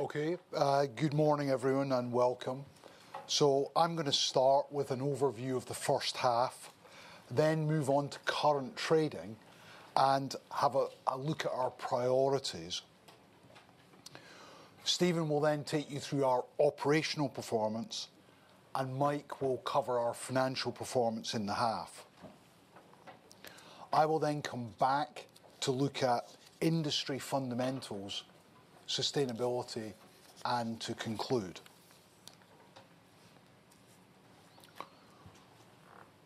Okay. Good morning everyone, and welcome. I'm gonna start with an overview of the first half, then move on to current trading and have a look at our priorities. Stephen will then take you through our operational performance, and Mike will cover our financial performance in the half. I will then come back to look at industry fundamentals, sustainability, and to conclude.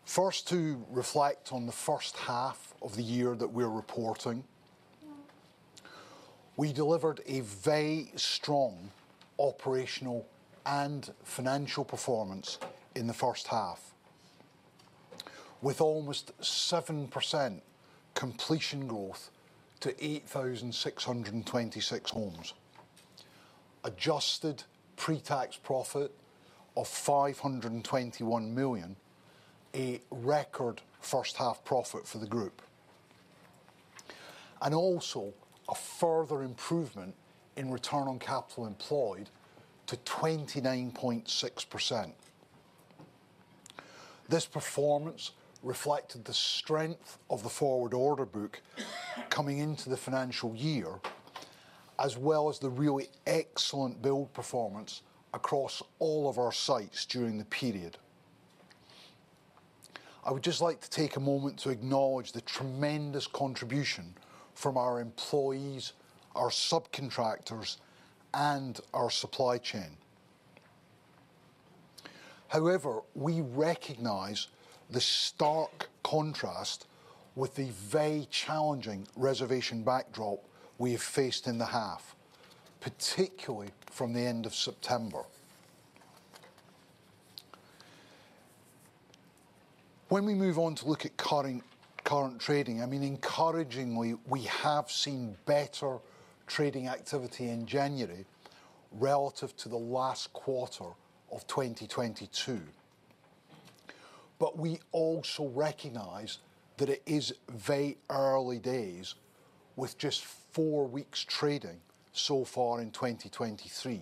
First, to reflect on the first half of the year that we're reporting. We delivered a very strong operational and financial performance in the first half, with almost 7% completion growth to 8,626 homes. Adjusted pre-tax profit of 521 million, a record first half profit for the group. Also, a further improvement in Return on Capital Employed to 29.6%. This performance reflected the strength of the forward order book coming into the financial year, as well as the really excellent build performance across all of our sites during the period. I would just like to take a moment to acknowledge the tremendous contribution from our employees, our subcontractors, and our supply chain. We recognize the stark contrast with the very challenging reservation backdrop we have faced in the half, particularly from the end of September. When we move on to look at current trading, I mean, encouragingly, we have seen better trading activity in January relative to the last quarter of 2022. We also recognize that it is very early days with just four weeks trading so far in 2023.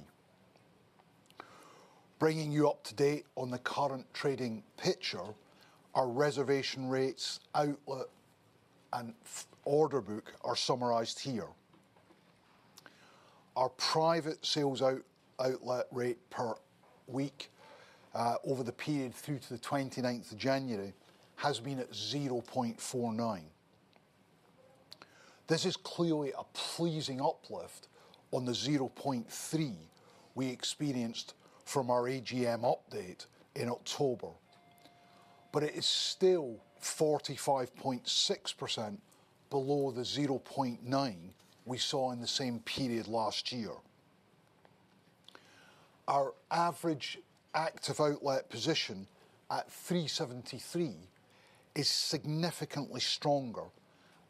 Bringing you up to date on the current trading picture, our reservation rates, outlet, and order book are summarized here. Our private sales outlet rate per week over the period through to the 29th of January has been at 0.49. This is clearly a pleasing uplift on the 0.3 we experienced from our AGM update in October. It is still 45.6% below the 0.9 we saw in the same period last year. Our average active outlet position at 373 is significantly stronger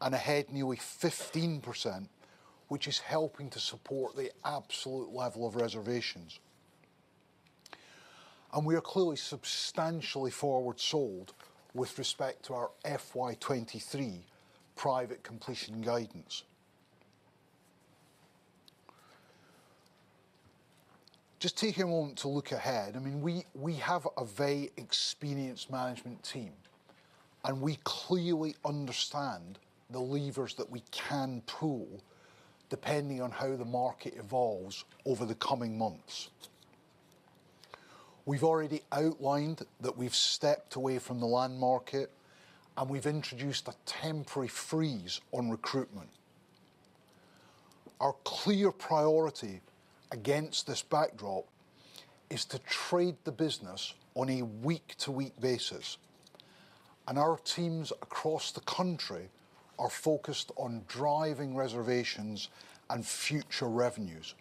and ahead nearly 15%, which is helping to support the absolute level of reservations. We are clearly substantially forward sold with respect to our FY23 private completion guidance. Just take a moment to look ahead. I mean, we have a very experienced management team, we clearly understand the levers that we can pull depending on how the market evolves over the coming months. We've already outlined that we've stepped away from the land market, and we've introduced a temporary freeze on recruitment. Our clear priority against this backdrop is to trade the business on a week-to-week basis, and our teams across the country are focused on driving reservations and future revenues.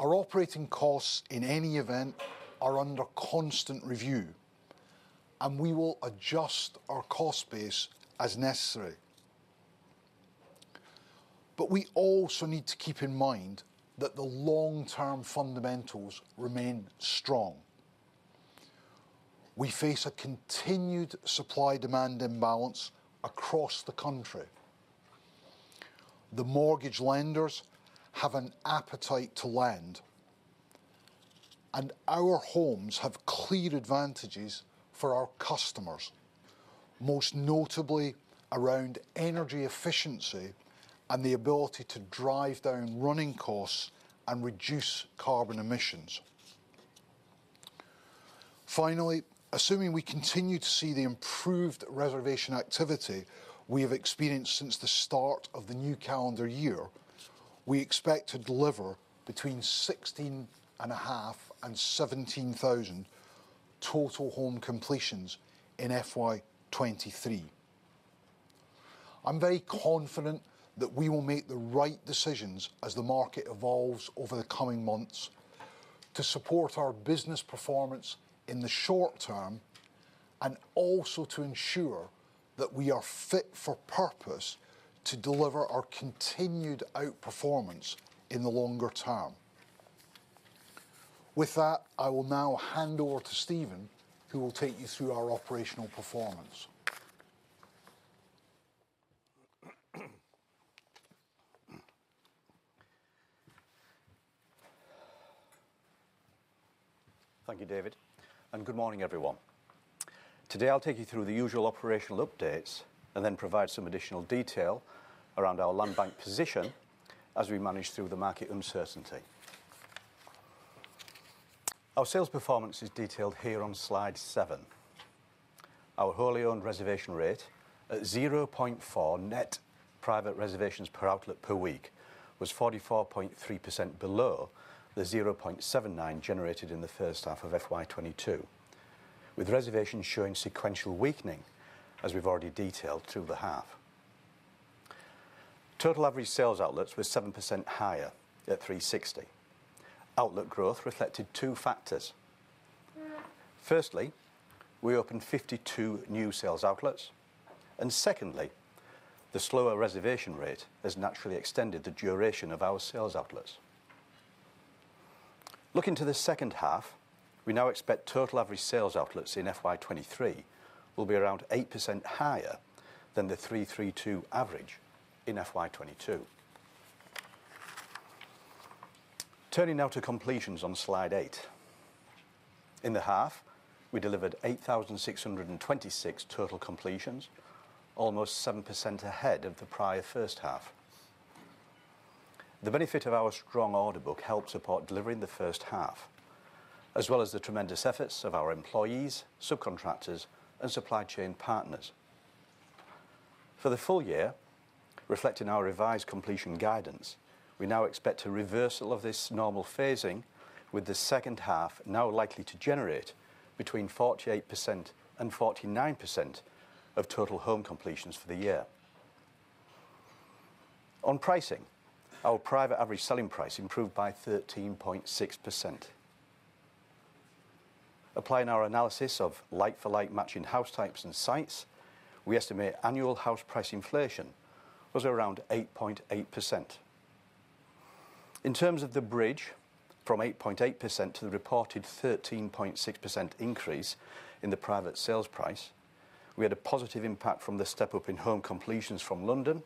Our operating costs, in any event, are under constant review, and we will adjust our cost base as necessary. We also need to keep in mind that the long-term fundamentals remain strong. We face a continued supply demand imbalance across the country. The mortgage lenders have an appetite to lend, and our homes have clear advantages for our customers, most notably around energy efficiency and the ability to drive down running costs and reduce carbon emissions. Assuming we continue to see the improved reservation activity we have experienced since the start of the new calendar year, we expect to deliver between 16,500 and 17,000 total home completions in FY23. I'm very confident that we will make the right decisions as the market evolves over the coming months to support our business performance in the short term, and also to ensure that we are fit for purpose to deliver our continued outperformance in the longer term. I will now hand over to Stephen, who will take you through our operational performance. Thank you, David. Good morning, everyone. Today, I'll take you through the usual operational updates and then provide some additional detail around our land bank position as we manage through the market uncertainty. Our sales performance is detailed here on Slide 7. Our wholly owned reservation rate at 0.4 net private reservations per outlet per week was 44.3% below the 0.79 generated in the first half of FY22, with reservations showing sequential weakening as we've already detailed through the half. Total average sales outlets were 7% higher at 360. Outlet growth reflected two factors. Firstly, we opened 52 new sales outlets. Secondly, the slower reservation rate has naturally extended the duration of our sales outlets. Looking to the second half, we now expect total average sales outlets in FY23 will be around 8% higher than the 332 average in FY22. Turning now to completions on Slide 8. In the half, we delivered 8,626 total completions, almost 7% ahead of the prior first half. The benefit of our strong order book helped support delivering the first half, as well as the tremendous efforts of our employees, subcontractors, and supply chain partners. For the full year, reflecting our revised completion guidance, we now expect a reversal of this normal phasing with the second half now likely to generate between 48% and 49% of total home completions for the year. On pricing, our private average selling price improved by 13.6%. Applying our analysis of like for like matching house types and sites, we estimate annual house price inflation was around 8.8%. In terms of the bridge from 8.8% to the reported 13.6% increase in the private sales price, we had a positive impact from the step up in home completions from London,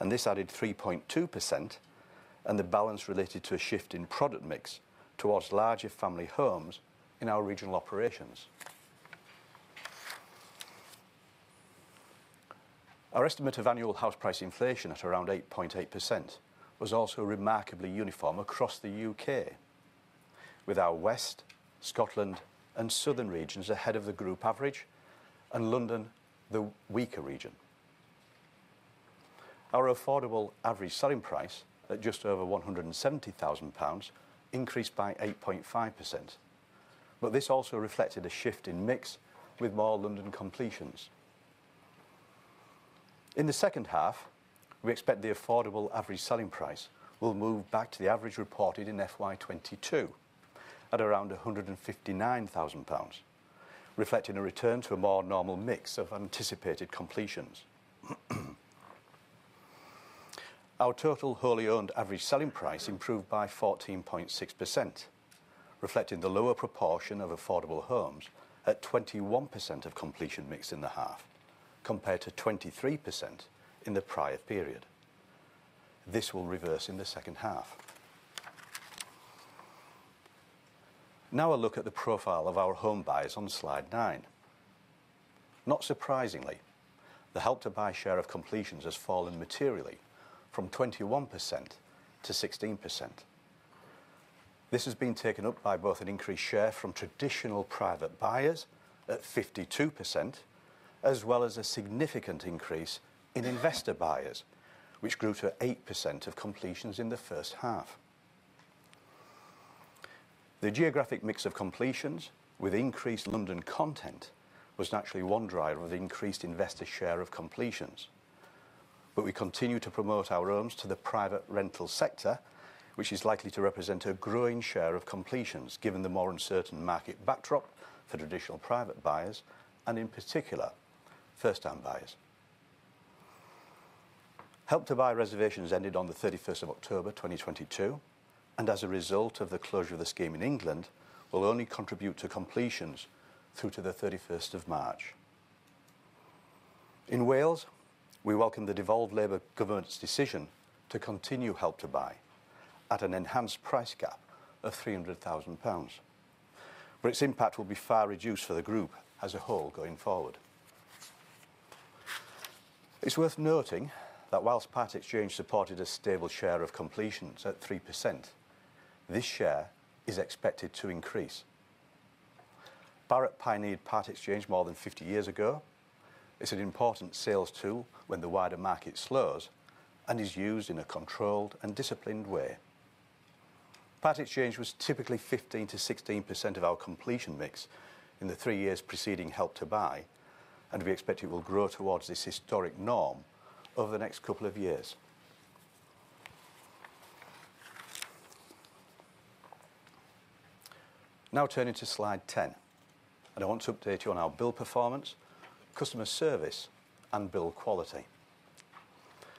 and this added 3.2% and the balance related to a shift in product mix towards larger family homes in our regional operations. Our estimate of annual house price inflation at around 8.8% was also remarkably uniform across the UK. With our West, Scotland, and Southern regions ahead of the group average, and London the weaker region. Our affordable average selling price at just over 170,000 pounds increased by 8.5%. This also reflected a shift in mix with more London completions. In the second half, we expect the affordable average selling price will move back to the average reported in FY22 at around 159,000 pounds, reflecting a return to a more normal mix of anticipated completions. Our total wholly owned average selling price improved by 14.6%, reflecting the lower proportion of affordable homes at 21% of completion mix in the half compared to 23% in the prior period. This will reverse in the second half. A look at the profile of our home buyers on Slide 9. Not surprisingly, the Help to Buy share of completions has fallen materially from 21% to 16%. This has been taken up by both an increased share from traditional private buyers at 52% as well as a significant increase in investor buyers, which grew to 8% of completions in the first half. The geographic mix of completions with increased London content was naturally one driver of increased investor share of completions. We continue to promote our homes to the private rental sector, which is likely to represent a growing share of completions, given the more uncertain market backdrop for traditional private buyers and in particular, first-time buyers. Help to Buy reservations ended on the 31st of October 2022, and as a result of the closure of the scheme in England, will only contribute to completions through to the 31st of March. In Wales, we welcome the devolved Labour government's decision to continue Help to Buy at an enhanced price cap of 300,000 pounds. Its impact will be far reduced for the group as a whole going forward. It's worth noting that whilst part exchange supported a stable share of completions at 3%, this share is expected to increase. Barratt pioneered part exchange more than 50 years ago. It's an important sales tool when the wider market slows and is used in a controlled and disciplined way. Part exchange was typically 15%-16% of our completion mix in the three years preceding Help to Buy. We expect it will grow towards this historic norm over the next couple of years. Now turning to Slide 10, I want to update you on our build performance, customer service, and build quality.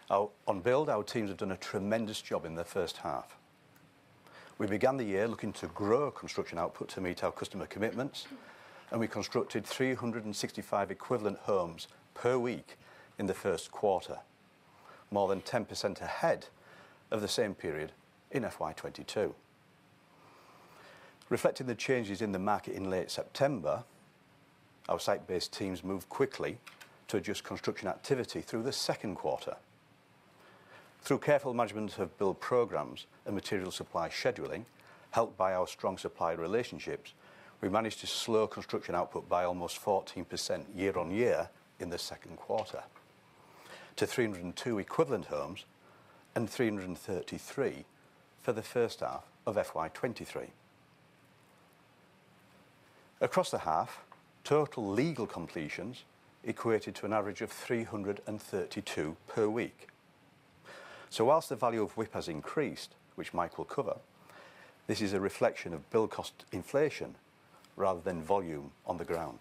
On build, our teams have done a tremendous job in the first half. We began the year looking to grow our construction output to meet our customer commitments, we constructed 365 equivalent homes per week in the first quarter, more than 10% ahead of the same period in FY22. Reflecting the changes in the market in late September, our site-based teams moved quickly to adjust construction activity through the second quarter. Through careful management of build programs and material supply scheduling, helped by our strong supplier relationships, we managed to slow construction output by almost 14% year-on-year in the second quarter to 302 equivalent homes and 333 for the first half of FY23. Across the half, total legal completions equated to an average of 332 per week. Whilst the value of WIP has increased, which Mike will cover, this is a reflection of build cost inflation rather than volume on the ground.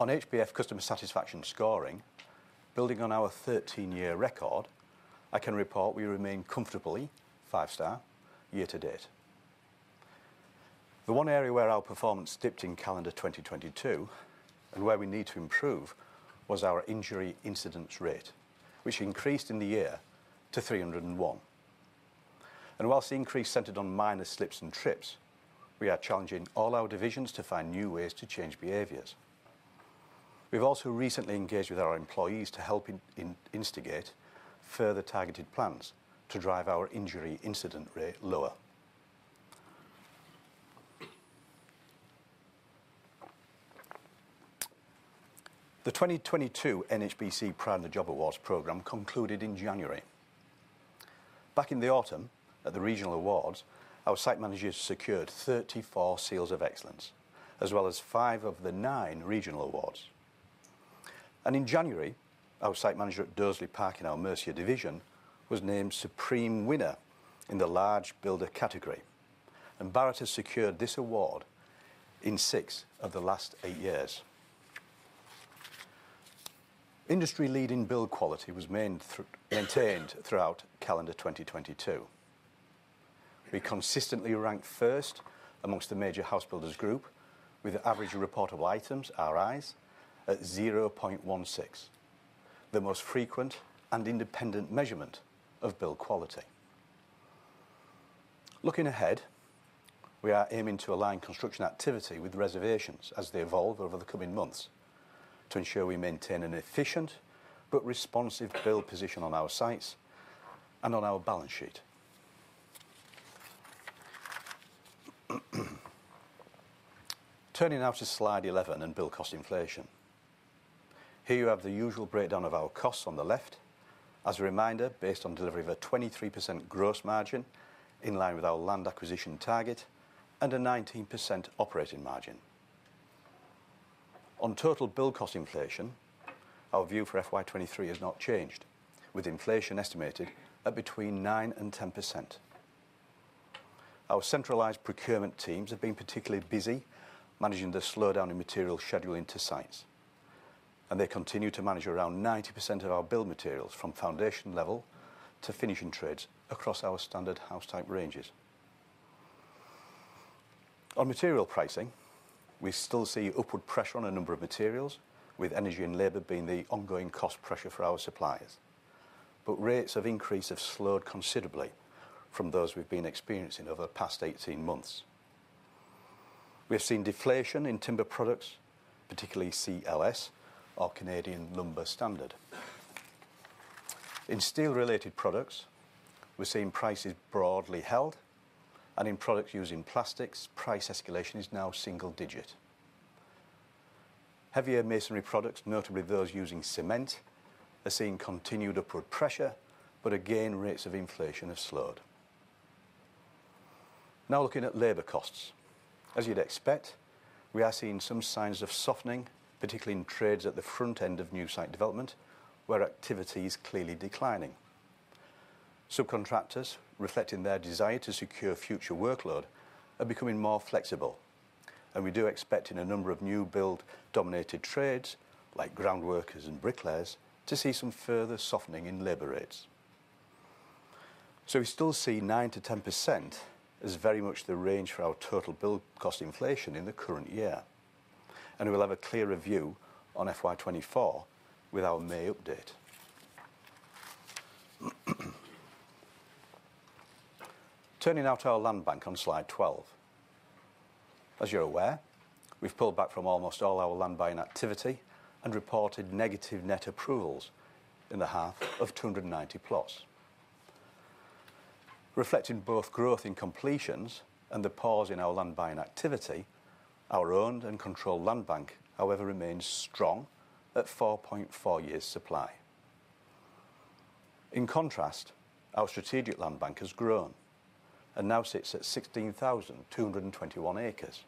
On HBF customer satisfaction scoring, building on our 13-year record, I can report we remain comfortably 5-star year to date. The one area where our performance dipped in calendar 2022, and where we need to improve, was our injury incidence rate, which increased in the year to 301. Whilst the increase centered on minor slips and trips, we are challenging all our divisions to find new ways to change behaviors. We've also recently engaged with our employees to help instigate further targeted plans to drive our injury incidence rate lower. The 2022 NHBC Pride in the Job Awards program concluded in January. Back in the autumn, at the regional awards, our site managers secured 34 Seals of Excellence, as well as five of the nine regional awards. In January, our site manager at Doseley Park in our Mercia division was named supreme winner in the large builder category, and Barratt has secured this award in six of the last eight years. Industry-leading build quality was maintained throughout calendar 2022. We consistently ranked first amongst the major house builders group with average Reportable Items, RIs, at 0.16, the most frequent and independent measurement of build quality. Looking ahead, we are aiming to align construction activity with reservations as they evolve over the coming months to ensure we maintain an efficient but responsive build position on our sites and on our balance sheet. Turning now to Slide 11 and build cost inflation. Here you have the usual breakdown of our costs on the left. As a reminder, based on delivery of a 23% gross margin in line with our land acquisition target and a 19% operating margin. On total build cost inflation, our view for FY23 has not changed, with inflation estimated at between 9% and 10%. Our centralized procurement teams have been particularly busy managing the slowdown in material scheduling to sites, and they continue to manage around 90% of our build materials from foundation level to finishing trades across our standard house type ranges. On material pricing, we still see upward pressure on a number of materials, with energy and labor being the ongoing cost pressure for our suppliers. Rates of increase have slowed considerably from those we've been experiencing over the past 18 months. We have seen deflation in timber products, particularly CLS, our Canadian Lumber Standard. In steel-related products, we're seeing prices broadly held and in products using plastics, price escalation is now single-digit. Again, rates of inflation have slowed. Looking at labor costs. As you'd expect, we are seeing some signs of softening, particularly in trades at the front end of new site development where activity is clearly declining. Subcontractors, reflecting their desire to secure future workload, are becoming more flexible and we do expect in a number of new-build-dominated trades like ground workers and bricklayers to see some further softening in labor rates. We still see 9%-10% as very much the range for our total build cost inflation in the current year, and we'll have a clearer view on FY24 with our May update. Turning now to our land bank on Slide 12. As you're aware, we've pulled back from almost all our land buying activity and reported negative net approvals in the half of 290 plots. Reflecting both growth in completions and the pause in our land buying activity, our owned and controlled land bank however remains strong at four point four years supply. In contrast, our strategic land bank has grown and now sits at 16,221 acres.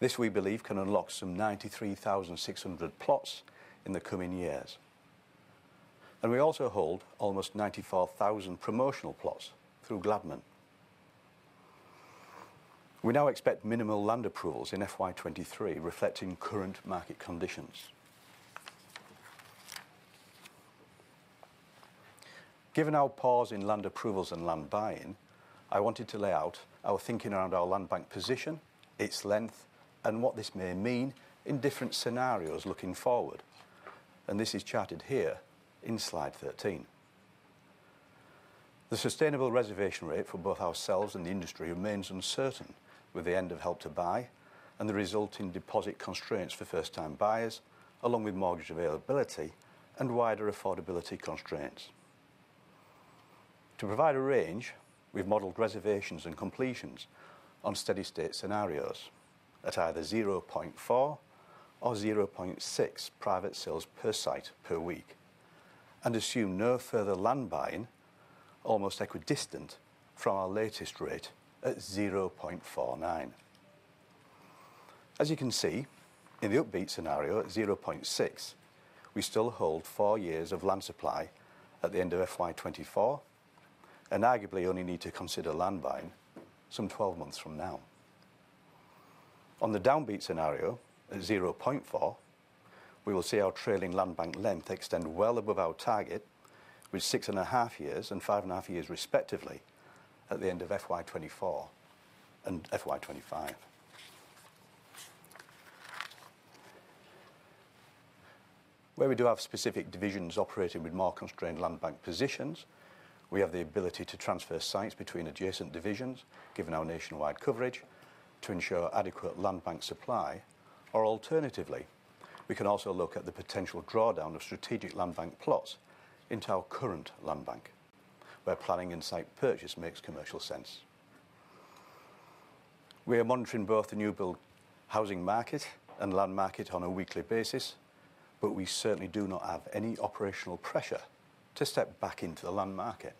This we believe can unlock some 93,600 plots in the coming years. We also hold almost 94,000 promotional plots through Gladman. We now expect minimal land approvals in FY23, reflecting current market conditions. Given our pause in land approvals and land buying, I wanted to lay out our thinking around our land bank position, its length, and what this may mean in different scenarios looking forward. This is charted here in Slide 13. The sustainable reservation rate for both ourselves and the industry remains uncertain with the end of Help to Buy and the resulting deposit constraints for first-time buyers, along with mortgage availability and wider affordability constraints. To provide a range, we've modeled reservations and completions on steady-state scenarios at either 0.4 or 0.6 private sales per site per week, and assume no further land buying, almost equidistant from our latest rate at 0.49. You can see, in the upbeat scenario at 0.6, we still hold four years of land supply at the end of FY24, and arguably only need to consider land buying some 12 months from now. On the downbeat scenario, at 0.4, we will see our trailing landbank length extend well above our target with six and a half years and five and a half years respectively at the end of FY24 and FY25. Where we do have specific divisions operating with more constrained landbank positions, we have the ability to transfer sites between adjacent divisions, given our nationwide coverage, to ensure adequate landbank supply. Alternatively, we can also look at the potential drawdown of strategic landbank plots into our current landbank, where planning and site purchase makes commercial sense. We are monitoring both the new build housing market and land market on a weekly basis, but we certainly do not have any operational pressure to step back into the land market.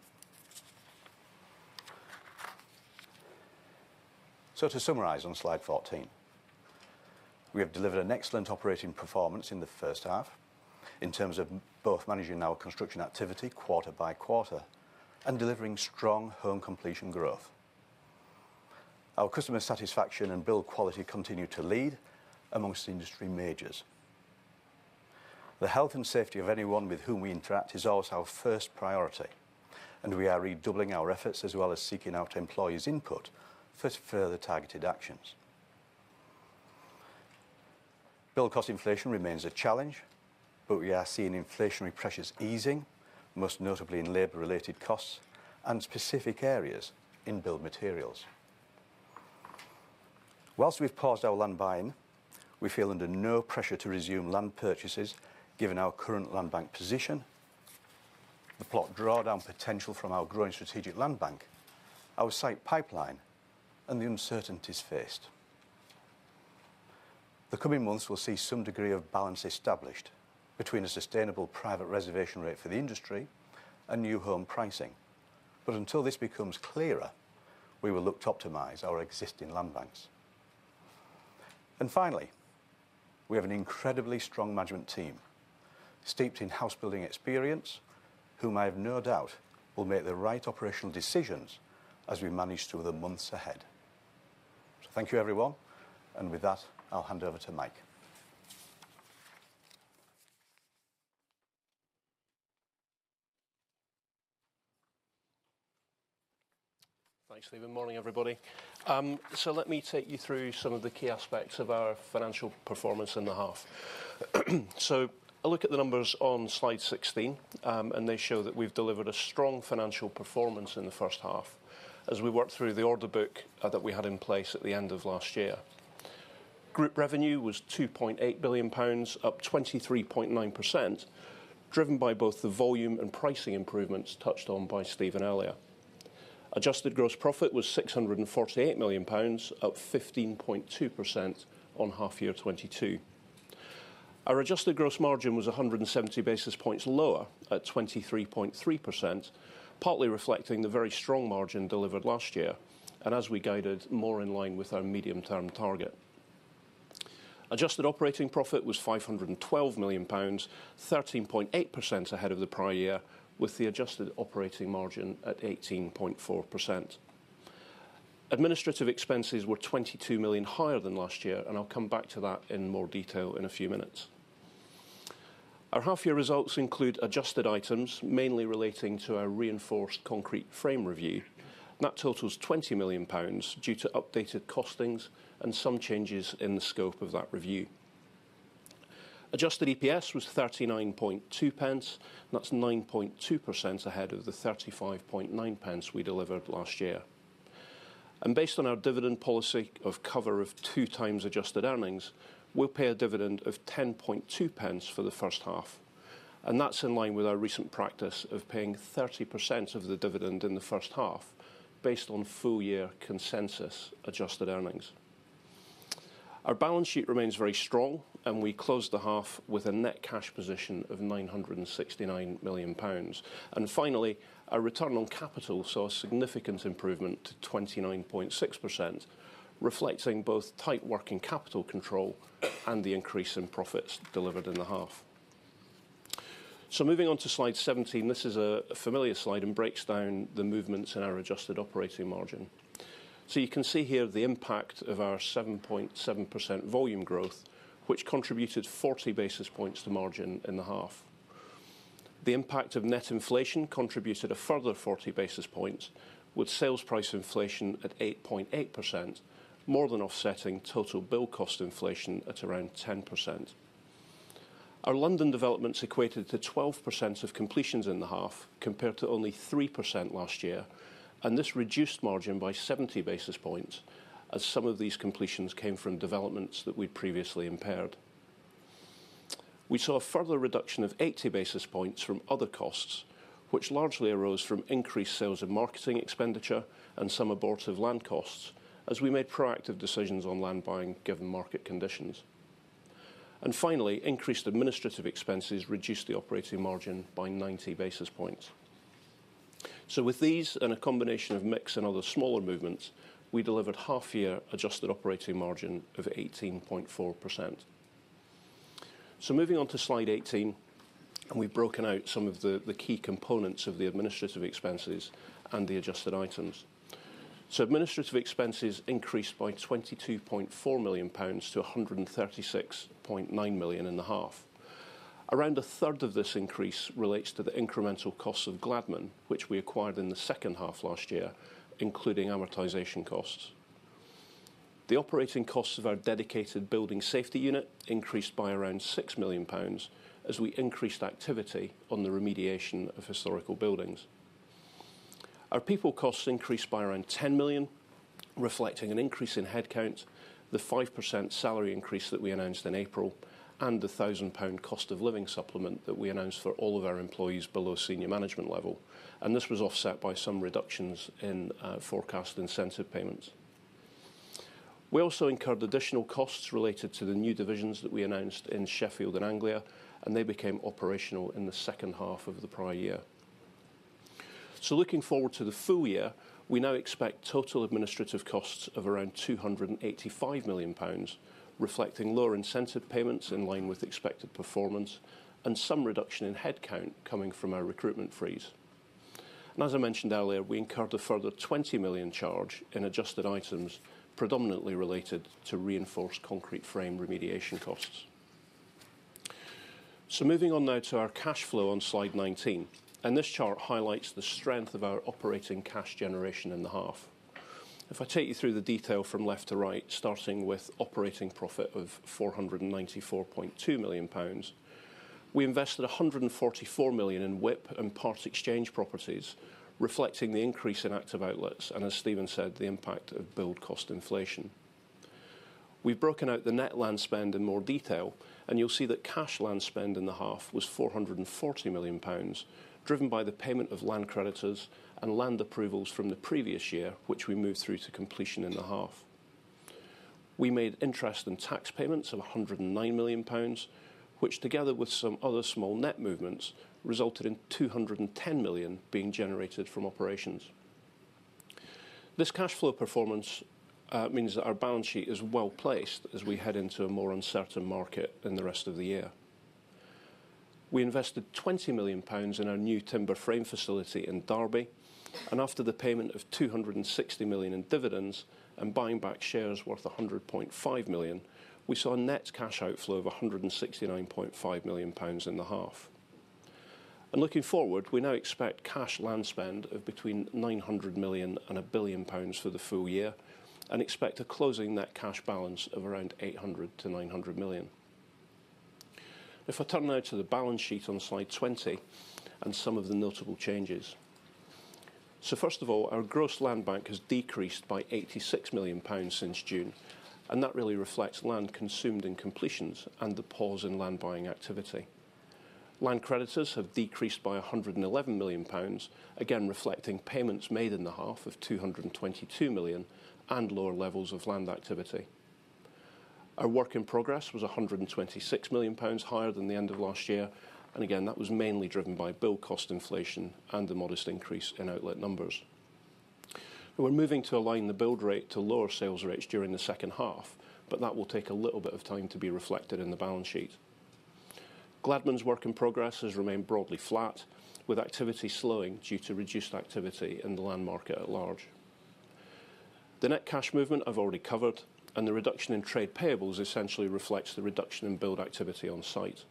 To summarize on Slide 14, we have delivered an excellent operating performance in the first half in terms of both managing our construction activity quarter by quarter and delivering strong home completion growth. Our customer satisfaction and build quality continue to lead amongst industry majors. The health and safety of anyone with whom we interact is always our first priority, and we are redoubling our efforts as well as seeking out employees' input for further targeted actions. Build cost inflation remains a challenge, but we are seeing inflationary pressures easing, most notably in labor-related costs and specific areas in build materials. Whilst we've paused our land buying, we feel under no pressure to resume land purchases given our current land bank position, the plot drawdown potential from our growing strategic land bank, our site pipeline, and the uncertainties faced. The coming months will see some degree of balance established between a sustainable private reservation rate for the industry and new home pricing. Until this becomes clearer, we will look to optimize our existing land banks. Finally, we have an incredibly strong management team steeped in house building experience, whom I have no doubt will make the right operational decisions as we manage through the months ahead. Thank you, everyone. With that, I'll hand over to Mike. Thanks, Stephen. Morning, everybody. Let me take you through some of the key aspects of our financial performance in the half. A look at the numbers on Slide 16, and they show that we've delivered a strong financial performance in the first half as we work through the order book that we had in place at the end of last year. Group revenue was 2.8 billion pounds, up 23.9%, driven by both the volume and pricing improvements touched on by Stephen earlier. Adjusted Gross Profit was 648 million pounds, up 15.2% on H1 2022. Our Adjusted Gross Margin was 170 basis points lower at 23.3%, partly reflecting the very strong margin delivered last year and as we guided more in line with our medium-term target. Adjusted OperatingProfit was 512 million pounds, 13.8% ahead of the prior year, with the Adjusted Operating Margin at 18.4%. Administrative expenses were 22 million higher than last year. I'll come back to that in more detail in a few minutes. Our H1 results include adjusted items, mainly relating to our reinforced concrete frame review. That totals 20 million pounds due to updated costings and some changes in the scope of that review. Adjusted EPS was 39.2 pence. That's 9.2% ahead of the 35.9 pence we delivered last year. Based on our dividend policy of cover of 2x adjusted earnings, we'll pay a dividend of 10.2 pence for the first half. That's in line with our recent practice of paying 30% of the dividend in the first half based on full year consensus adjusted earnings. Our balance sheet remains very strong, and we closed the half with a net cash position of 969 million pounds. Finally, our return on capital saw a significant improvement to 29.6%, reflecting both tight working capital control and the increase in profits delivered in the half. Moving on to Slide 17, this is a familiar slide and breaks down the movements in our Adjusted Operating Margin. You can see here the impact of our 7.7% volume growth, which contributed 40 basis points to margin in the half. The impact of net inflation contributed a further 40 basis points with sales price inflation at 8.8%, more than offsetting total build cost inflation at around 10%. Our London developments equated to 12% of completions in the half, compared to only 3% last year. This reduced margin by 70 basis points, as some of these completions came from developments that we'd previously impaired. We saw a further reduction of 80 basis points from other costs, which largely arose from increased sales and marketing expenditure and some abortive land costs as we made proactive decisions on land buying, given market conditions. Finally, increased administrative expenses reduced the operating margin by 90 basis points. With these and a combination of mix and other smaller movements, we delivered H1 adjusted operating margin of 18.4%. Moving on to Slide 18, we've broken out some of the key components of the administrative expenses and the adjusted items. Administrative expenses increased by 22.4 million pounds to 136.9 million in the half. Around a third of this increase relates to the incremental costs of Gladman, which we acquired in the second half last year, including amortization costs. The operating costs of our dedicated building safety unit increased by around 6 million pounds as we increased activity on the remediation of historical buildings. Our people costs increased by around 10 million, reflecting an increase in headcount, the 5% salary increase that we announced in April, and the 1,000 pound cost of living supplement that we announced for all of our employees below senior management level. This was offset by some reductions in forecast incentive payments. We also incurred additional costs related to the new divisions that we announced in Sheffield and Anglia. They became operational in the second half of the prior year. Looking forward to the full year, we now expect total administrative costs of around 285 million pounds, reflecting lower incentive payments in line with expected performance and some reduction in headcount coming from our recruitment freeze. As I mentioned earlier, we incurred a further 20 million charge in adjusted items, predominantly related to reinforced concrete frame remediation costs. Moving on now to our cash flow on Slide 19. This chart highlights the strength of our operating cash generation in the half. If I take you through the detail from left to right, starting with operating profit of 494.2 million pounds. We invested 144 million in WIP and part exchange properties, reflecting the increase in active outlets, and as Stephen said, the impact of build cost inflation. We've broken out the net land spend in more detail, and you'll see that cash land spend in the half was 440 million pounds, driven by the payment of land creditors and land approvals from the previous year, which we moved through to completion in the half. We made interest in tax payments of 109 million pounds, which together with some other small net movements, resulted in 210 million being generated from operations. This cash flow performance means that our balance sheet is well placed as we head into a more uncertain market in the rest of the year. We invested 20 million pounds in our new timber frame facility in Derby, and after the payment of 260 million in dividends and buying back shares worth 100.5 million, we saw a net cash outflow of 169.5 million pounds in the half. Looking forward, we now expect cash land spend of between 900 million and 1 billion pounds for the full year, and expect a closing net cash balance of around 800 million-900 million. If I turn now to the balance sheet on Slide 20 and some of the notable changes. First of all, our gross land bank has decreased by 86 million pounds since June, and that really reflects land consumed in completions and the pause in land buying activity. Land creditors have decreased by 111 million pounds, again reflecting payments made in the half of 222 million and lower levels of land activity. Our work in progress was 126 million pounds higher than the end of last year. Again, that was mainly driven by build cost inflation and a modest increase in outlet numbers. We're moving to align the build rate to lower sales rates during the second half, but that will take a little bit of time to be reflected in the balance sheet. Gladman's work in progress has remained broadly flat, with activity slowing due to reduced activity in the land market at large. The net cash movement I've already covered, and the reduction in trade payables essentially reflects the reduction in build activity on site.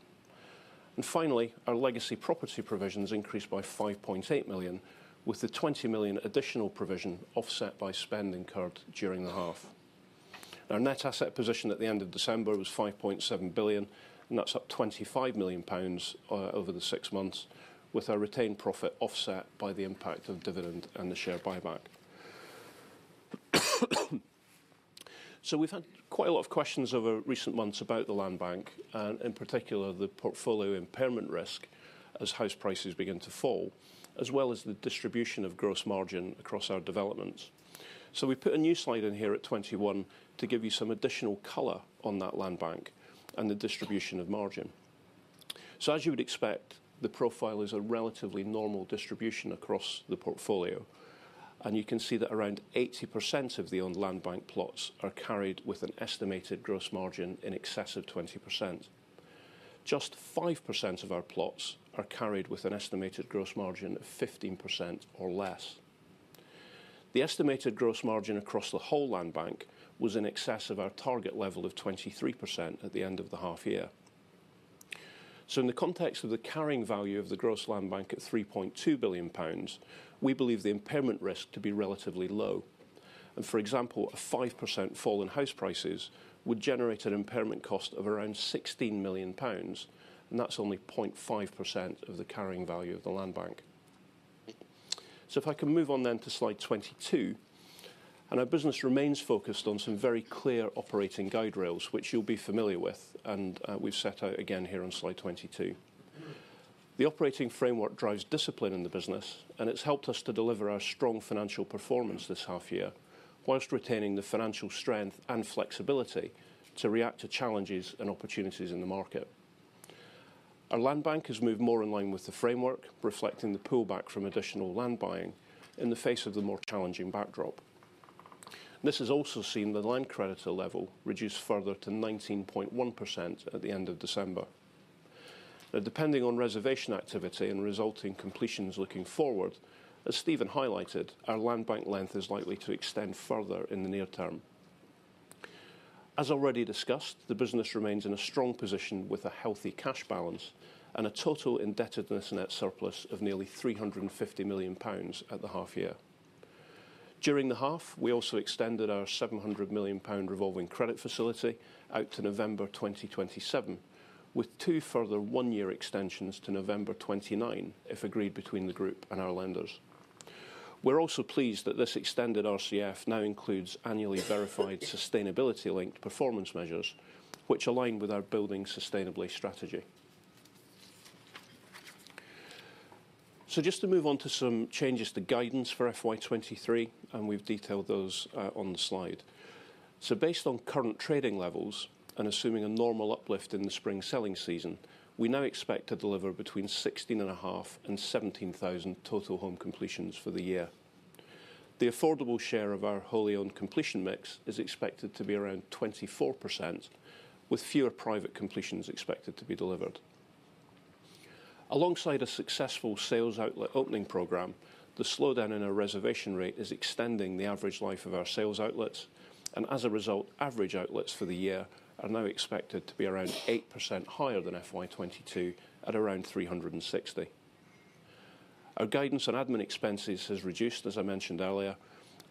Finally, our legacy property provisions increased by 5.8 million, with the 20 million additional provision offset by spend incurred during the half. Our net asset position at the end of December was 5.7 billion, and that's up 25 million pounds over the six months, with our retained profit offset by the impact of dividend and the share buyback. We've had quite a lot of questions over recent months about the land bank, and in particular, the portfolio impairment risk as house prices begin to fall, as well as the distribution of gross margin across our developments. We put a new slide in here at 21 to give you some additional color on that land bank and the distribution of margin. As you would expect, the profile is a relatively normal distribution across the portfolio. You can see that around 80% of the owned landbank plots are carried with an estimated gross margin in excess of 20%. Just 5% of our plots are carried with an estimated gross margin of 15% or less. The estimated gross margin across the whole landbank was in excess of our target level of 23% at the end of the H1. In the context of the carrying value of the gross landbank at 3.2 billion pounds, we believe the impairment risk to be relatively low. For example, a 5% fall in house prices would generate an impairment cost of around 16 million pounds, and that's only 0.5% of the carrying value of the landbank. If I can move on to Slide 22. Our business remains focused on some very clear operating guide rails, which you'll be familiar with and we've set out again here on Slide 22. The operating framework drives discipline in the business, and it's helped us to deliver our strong financial performance this H1, whilst retaining the financial strength and flexibility to react to challenges and opportunities in the market. Our landbank has moved more in line with the framework, reflecting the pullback from additional land buying in the face of the more challenging backdrop. This is also seen the land creditor level reduced further to 19.1% at the end of December. Depending on reservation activity and resulting completions looking forward, as Stephen highlighted, our landbank length is likely to extend further in the near term. As already discussed, the business remains in a strong position with a healthy cash balance and a total indebtedness net surplus of nearly 350 million pounds at the H1. During the half, we also extended our 700 million pound revolving credit facility out to November 2027, with two further one-year extensions to November 2029, if agreed between the group and our lenders. We're also pleased that this extended RCF now includes annually verified sustainability linked performance measures which align with our Building Sustainably strategy. Just to move on to some changes to guidance for FY23, and we've detailed those on the slide. Based on current trading levels and assuming a normal uplift in the spring selling season, we now expect to deliver between 16,500 and 17,000 total home completions for the year. The affordable share of our wholly owned completion mix is expected to be around 24%, with fewer private completions expected to be delivered. Alongside a successful sales outlet opening program, the slowdown in our reservation rate is extending the average life of our sales outlets. As a result, average outlets for the year are now expected to be around 8% higher than FY22 at around 360. Our guidance on admin expenses has reduced, as I mentioned earlier,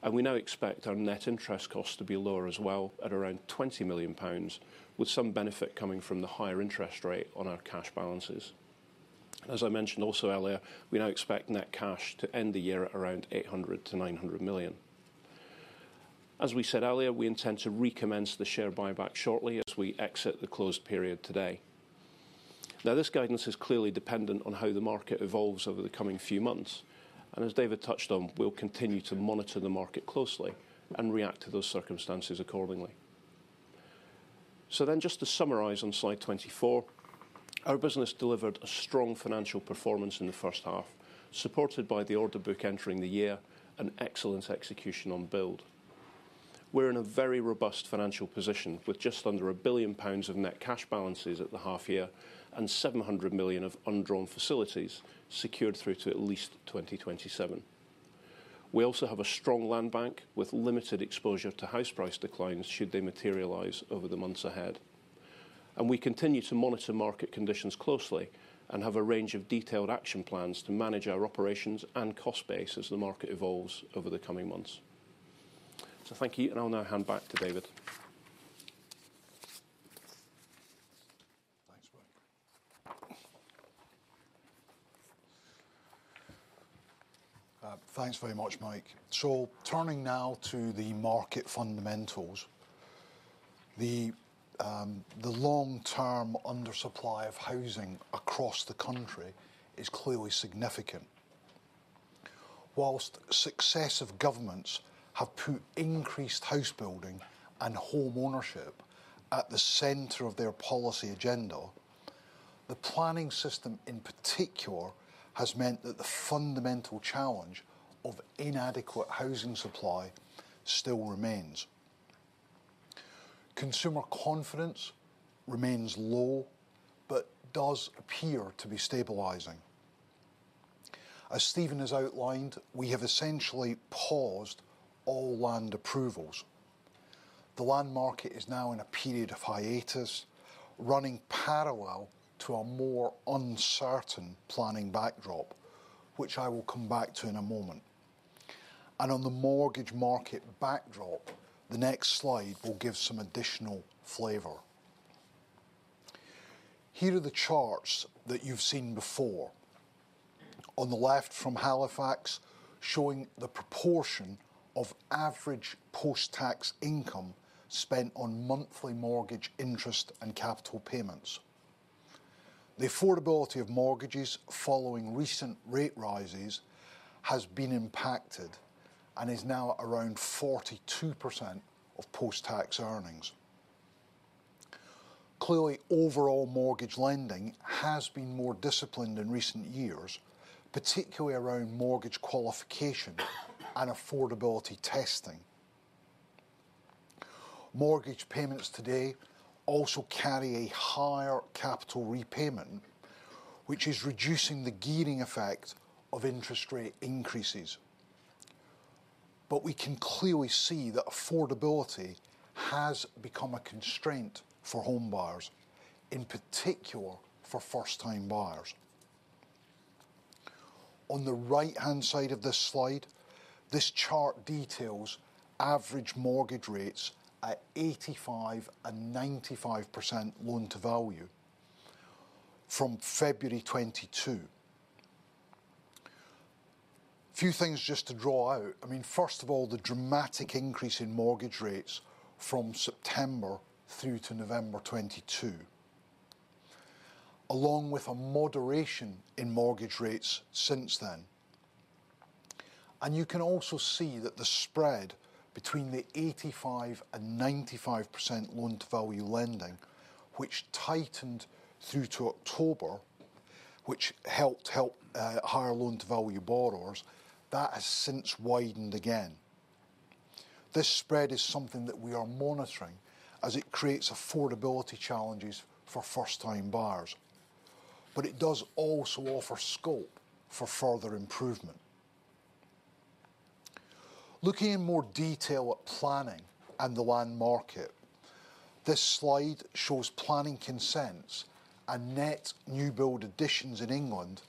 and we now expect our net interest costs to be lower as well at around 20 million pounds, with some benefit coming from the higher interest rate on our cash balances. As I mentioned also earlier, we now expect net cash to end the year at around 800 million-900 million. As we said earlier, we intend to recommence the share buyback shortly as we exit the closed period today. Now, this guidance is clearly dependent on how the market evolves over the coming few months, and as David touched on, we'll continue to monitor the market closely and react to those circumstances accordingly. Just to summarize on Slide 24, our business delivered a strong financial performance in the first half, supported by the order book entering the year, and excellent execution on build. We're in a very robust financial position with just under 1 billion pounds of net cash balances at the H1 and 700 million of undrawn facilities secured through to at least 2027. We also have a strong landbank with limited exposure to house price declines should they materialize over the months ahead. We continue to monitor market conditions closely and have a range of detailed action plans to manage our operations and cost base as the market evolves over the coming months. Thank you, and I'll now hand back to David. Thanks, Mike. Thanks very much, Mike. Turning now to the market fundamentals, the long term undersupply of housing across the country is clearly significant. Whilst successive governments have put increased house building and home ownership at the center of their policy agenda, the planning system, in particular, has meant that the fundamental challenge of inadequate housing supply still remains. Consumer confidence remains low, but does appear to be stabilizing. As Stephen has outlined, we have essentially paused all land approvals. The land market is now in a period of hiatus, running parallel to a more uncertain planning backdrop, which I will come back to in a moment. On the mortgage market backdrop, the next slide will give some additional flavor. Here are the charts that you've seen before. On the left from Halifax, showing the proportion of average post-tax income spent on monthly mortgage interest and capital payments. The affordability of mortgages following recent rate rises has been impacted and is now around 42% of post-tax earnings. Overall mortgage lending has been more disciplined in recent years, particularly around mortgage qualification and affordability testing. Mortgage payments today also carry a higher capital repayment, which is reducing the gearing effect of interest rate increases. We can clearly see that affordability has become a constraint for home buyers, in particular for first-time buyers. On the right-hand side of this slide, this chart details average mortgage rates at 85% and 95% loan-to-value from February 2022. Few things just to draw out. I mean, first of all, the dramatic increase in mortgage rates from September through to November 2022, along with a moderation in mortgage rates since then. You can also see that the spread between the 85% and 95% loan-to-value lending, which tightened through to October, which helped higher loan-to-value borrowers, that has since widened again. This spread is something that we are monitoring as it creates affordability challenges for first-time buyers, but it does also offer scope for further improvement. Looking in more detail at planning and the land market, this slide shows planning consents and net new build additions in England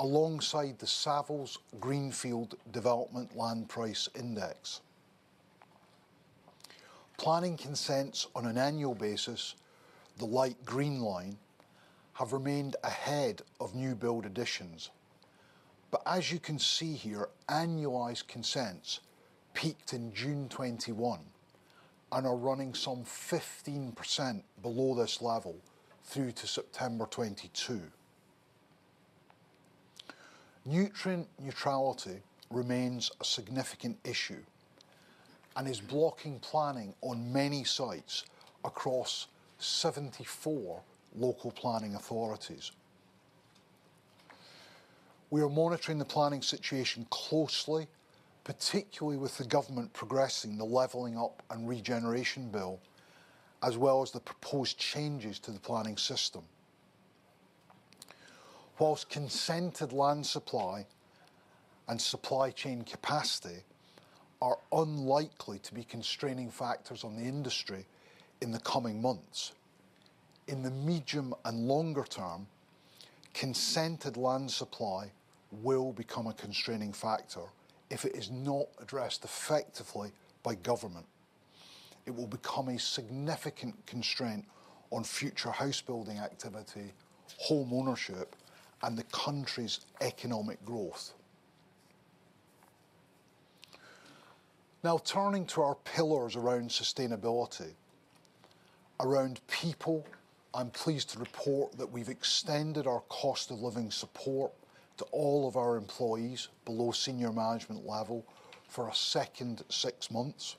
alongside the Savills Greenfield Development Land Index. Planning consents on an annual basis, the light green line, have remained ahead of new build additions. As you can see here, annualized consents peaked in June 2021 and are running some 15% below this level through to September 2022. nutrient neutrality remains a significant issue and is blocking planning on many sites across 74 local planning authorities. We are monitoring the planning situation closely, particularly with the government progressing the Levelling-up and Regeneration Bill, as well as the proposed changes to the planning system. Whilst consented land supply and supply chain capacity are unlikely to be constraining factors on the industry in the coming months, in the medium and longer term, consented land supply will become a constraining factor if it is not addressed effectively by government. It will become a significant constraint on future housebuilding activity, home ownership, and the country's economic growth. Turning to our pillars around sustainability. Around people, I'm pleased to report that we've extended our cost of living support to all of our employees below senior management level for a second six months.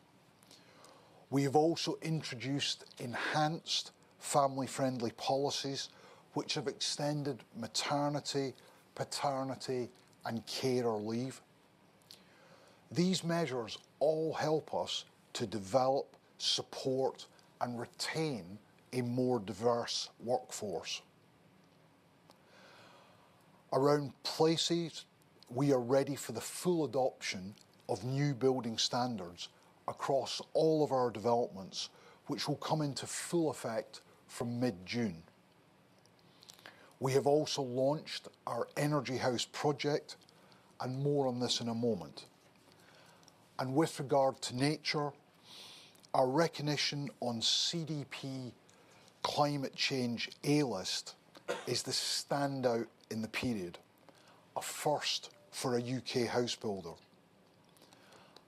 We have also introduced enhanced family-friendly policies which have extended maternity, paternity, and carer leave. These measures all help us to develop, support, and retain a more diverse workforce. Around places, we are ready for the full adoption of new building standards across all of our developments, which will come into full effect from mid-June. We have also launched our Energy House project and more on this in a moment. With regard to nature, our recognition on CDP Climate Change A List is the standout in the period, a first for a UK house builder.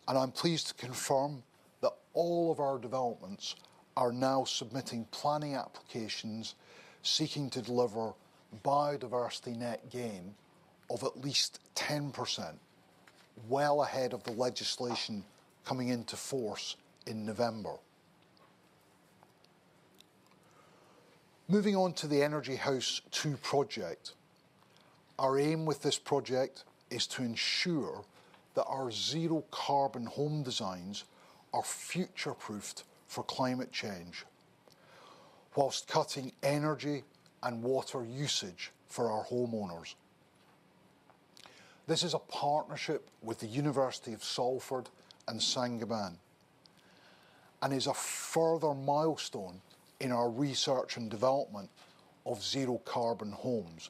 I'm pleased to confirm that all of our developments are now submitting planning applications seeking to deliver biodiversity net gain of at least 10%, well ahead of the legislation coming into force in November. Moving on to the Energy House 2.0 project. Our aim with this project is to ensure that our zero carbon home designs are future-proofed for climate change while cutting energy and water usage for our homeowners. This is a partnership with the University of Salford and Saint-Gobain, and is a further milestone in our research and development of zero carbon homes,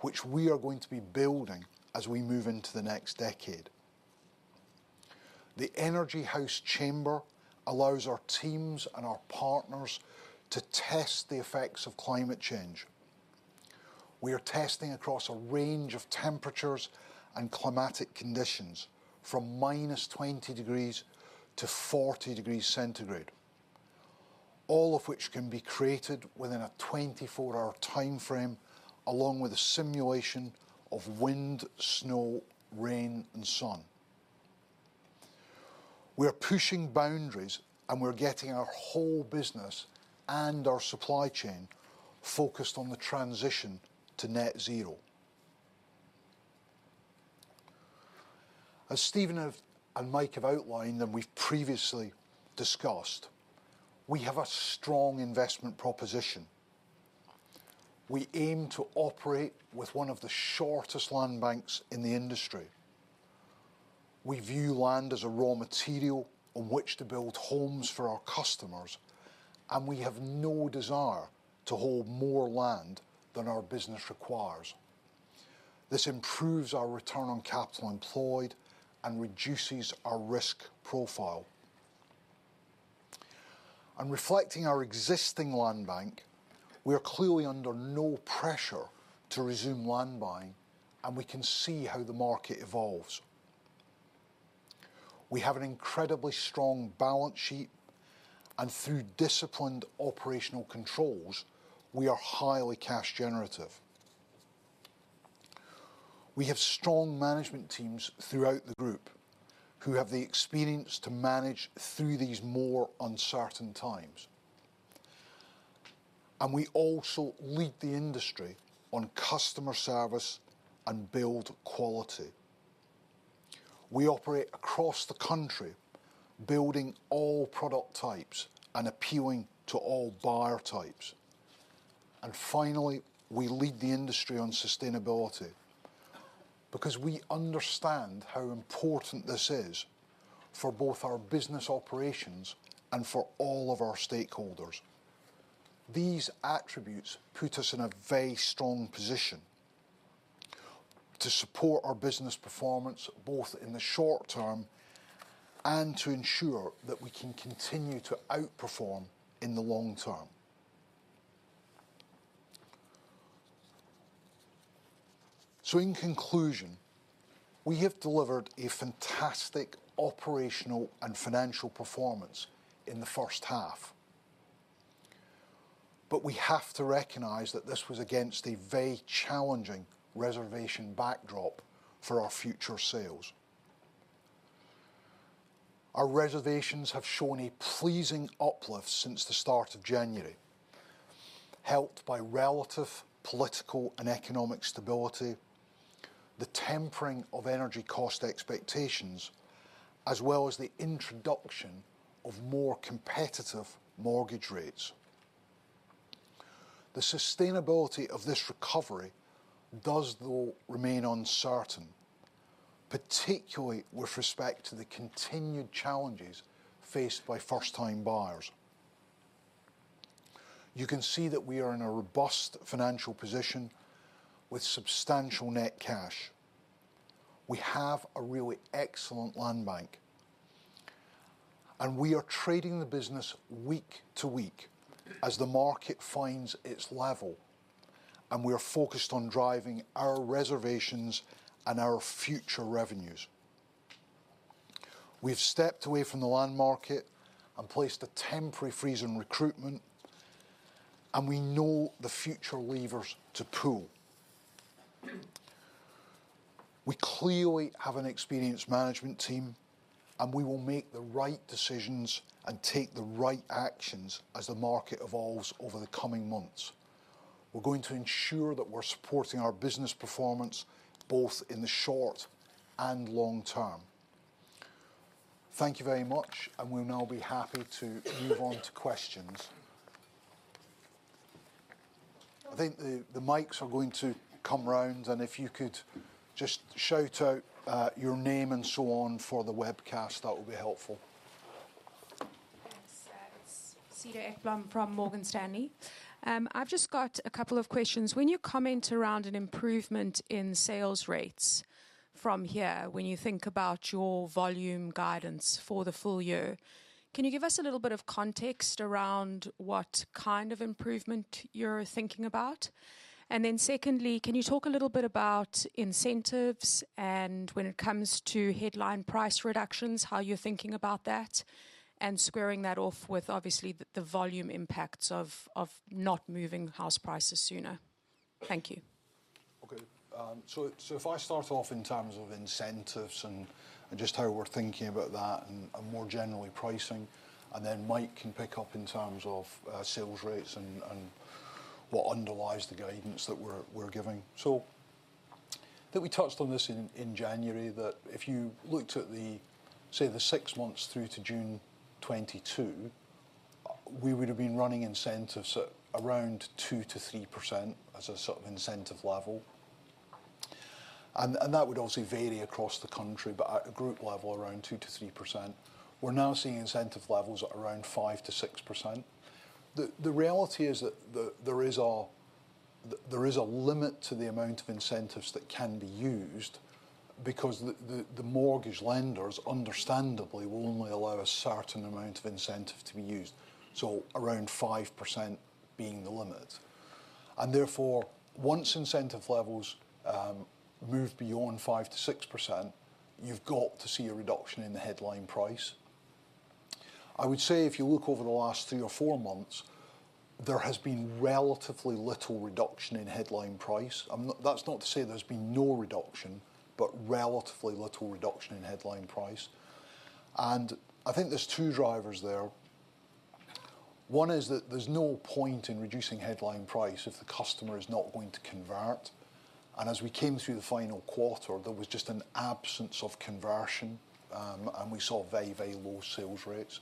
which we are going to be building as we move into the next decade. The Energy House chamber allows our teams and our partners to test the effects of climate change. We are testing across a range of temperatures and climatic conditions from minus 20 degrees to 40 degrees centigrade, all of which can be created within a 24-hour time frame, along with a simulation of wind, snow, rain, and sun. We are pushing boundaries and we're getting our whole business and our supply chain focused on the transition to net zero. As Stephen have, and Mike have outlined, and we've previously discussed, we have a strong investment proposition. We aim to operate with one of the shortest land banks in the industry. We view land as a raw material on which to build homes for our customers, and we have no desire to hold more land than our business requires. This improves our return on capital employed and reduces our risk profile. Reflecting our existing land bank, we are clearly under no pressure to resume land buying, and we can see how the market evolves. We have an incredibly strong balance sheet, and through disciplined operational controls, we are highly cash generative. We have strong management teams throughout the group who have the experience to manage through these more uncertain times. We also lead the industry on customer service and build quality. We operate across the country, building all product types and appealing to all buyer types. Finally, we lead the industry on sustainability because we understand how important this is for both our business operations and for all of our stakeholders. These attributes put us in a very strong position to support our business performance, both in the short term and to ensure that we can continue to outperform in the long term. In conclusion, we have delivered a fantastic operational and financial performance in the first half. We have to recognize that this was against a very challenging reservation backdrop for our future sales. Our reservations have shown a pleasing uplift since the start of January, helped by relative political and economic stability, the tempering of energy cost expectations, as well as the introduction of more competitive mortgage rates. The sustainability of this recovery does, though, remain uncertain, particularly with respect to the continued challenges faced by first time buyers. You can see that we are in a robust financial position with substantial net cash. We have a really excellent land bank, and we are trading the business week-to-week as the market finds its level, and we are focused on driving our reservations and our future revenues. We have stepped away from the land market and placed a temporary freeze in recruitment, and we know the future levers to pull. We clearly have an experienced management team, and we will make the right decisions and take the right actions as the market evolves over the coming months. We're going to ensure that we're supporting our business performance, both in the short and long term. Thank you very much, and we'll now be happy to move on to questions. I think the mics are going to come round, and if you could just shout out your name and so on for the webcast, that would be helpful. Yes. It's Cedar Ekblom from Morgan Stanley. I've just got a couple of questions. When you comment around an improvement in sales rates from here, when you think about your volume guidance for the full year, can you give us a little bit of context around what kind of improvement you're thinking about? Secondly, can you talk a little bit about incentives and when it comes to headline price reductions, how you're thinking about that and squaring that off with obviously the volume impacts of not moving house prices sooner? Thank you. Okay. So if I start off in terms of incentives and just how we're thinking about that and more generally pricing, and then Mike can pick up in terms of sales rates and what underlies the guidance that we're giving. I think we touched on this in January, that if you looked at the, say, the six months through to June 2022, we would have been running incentives at around 2%-3% as a sort of incentive level. That would obviously vary across the country, but at a group level, around 2%-3%. We're now seeing incentive levels at around 5%-6%. The reality is that there is a limit to the amount of incentives that can be used because the mortgage lenders understandably will only allow a certain amount of incentive to be used, so around 5% being the limit. Therefore, once incentive levels move beyond 5%-6%, you've got to see a reduction in the headline price. I would say if you look over the last three or four months, there has been relatively little reduction in headline price. That's not to say there's been no reduction, but relatively little reduction in headline price. I think there's two drivers there. One is that there's no point in reducing headline price if the customer is not going to convert. As we came through the final quarter, there was just an absence of conversion, and we saw very, very low sales rates.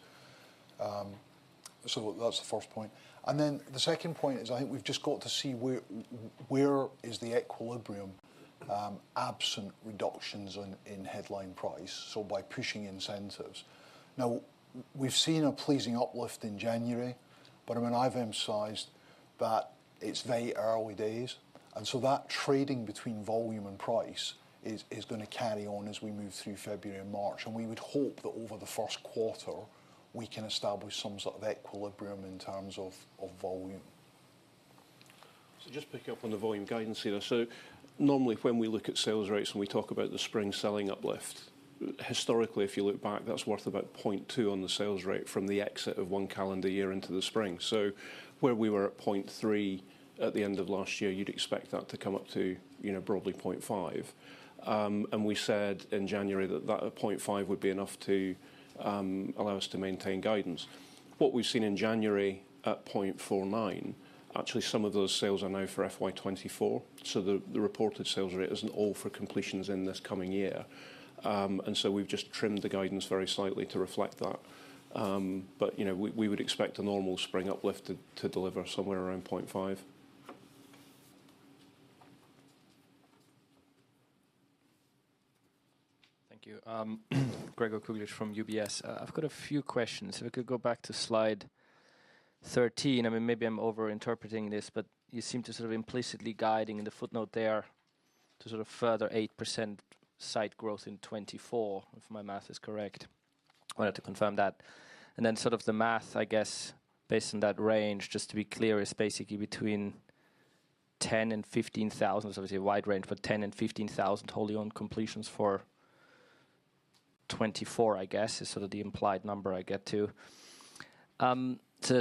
So that's the first point. The second point is, I think we've just got to see where is the equilibrium, absent reductions in headline price, so by pushing incentives. We've seen a pleasing uplift in January. I mean, I've emphasized that it's very early days. That trading between volume and price is gonna carry on as we move through February and March. We would hope that over the first quarter, we can establish some sort of equilibrium in terms of volume. Just picking up on the volume guidance here. Normally, when we look at sales rates, and we talk about the spring selling uplift, historically, if you look back, that's worth about 0.2 on the sales rate from the exit of 1 calendar year into the spring. Where we were at 0.3 at the end of last year, you'd expect that to come up to, you know, broadly 0.5. We said in January that that 0.5 would be enough to allow us to maintain guidance. What we've seen in January at 0.49, actually, some of those sales are now for FY24, the reported sales rate isn't all for completions in this coming year. We've just trimmed the guidance very slightly to reflect that. You know, we would expect a normal spring uplift to deliver somewhere around 0.5. Thank you. Gregor Kuglitsch from UBS. I've got a few questions. If we could go back to Slide 13. I mean, maybe I'm over-interpreting this, but you seem to implicitly guiding in the footnote there to further 8% site growth in 2024, if my math is correct. Wanted to confirm that. Then the math, I guess, based on that range, just to be clear, is basically between 10,000 and 15,000. Obviously a wide range, but 10,000 and 15,000 wholly-owned completions for 2024, I guess, is the implied number I get to.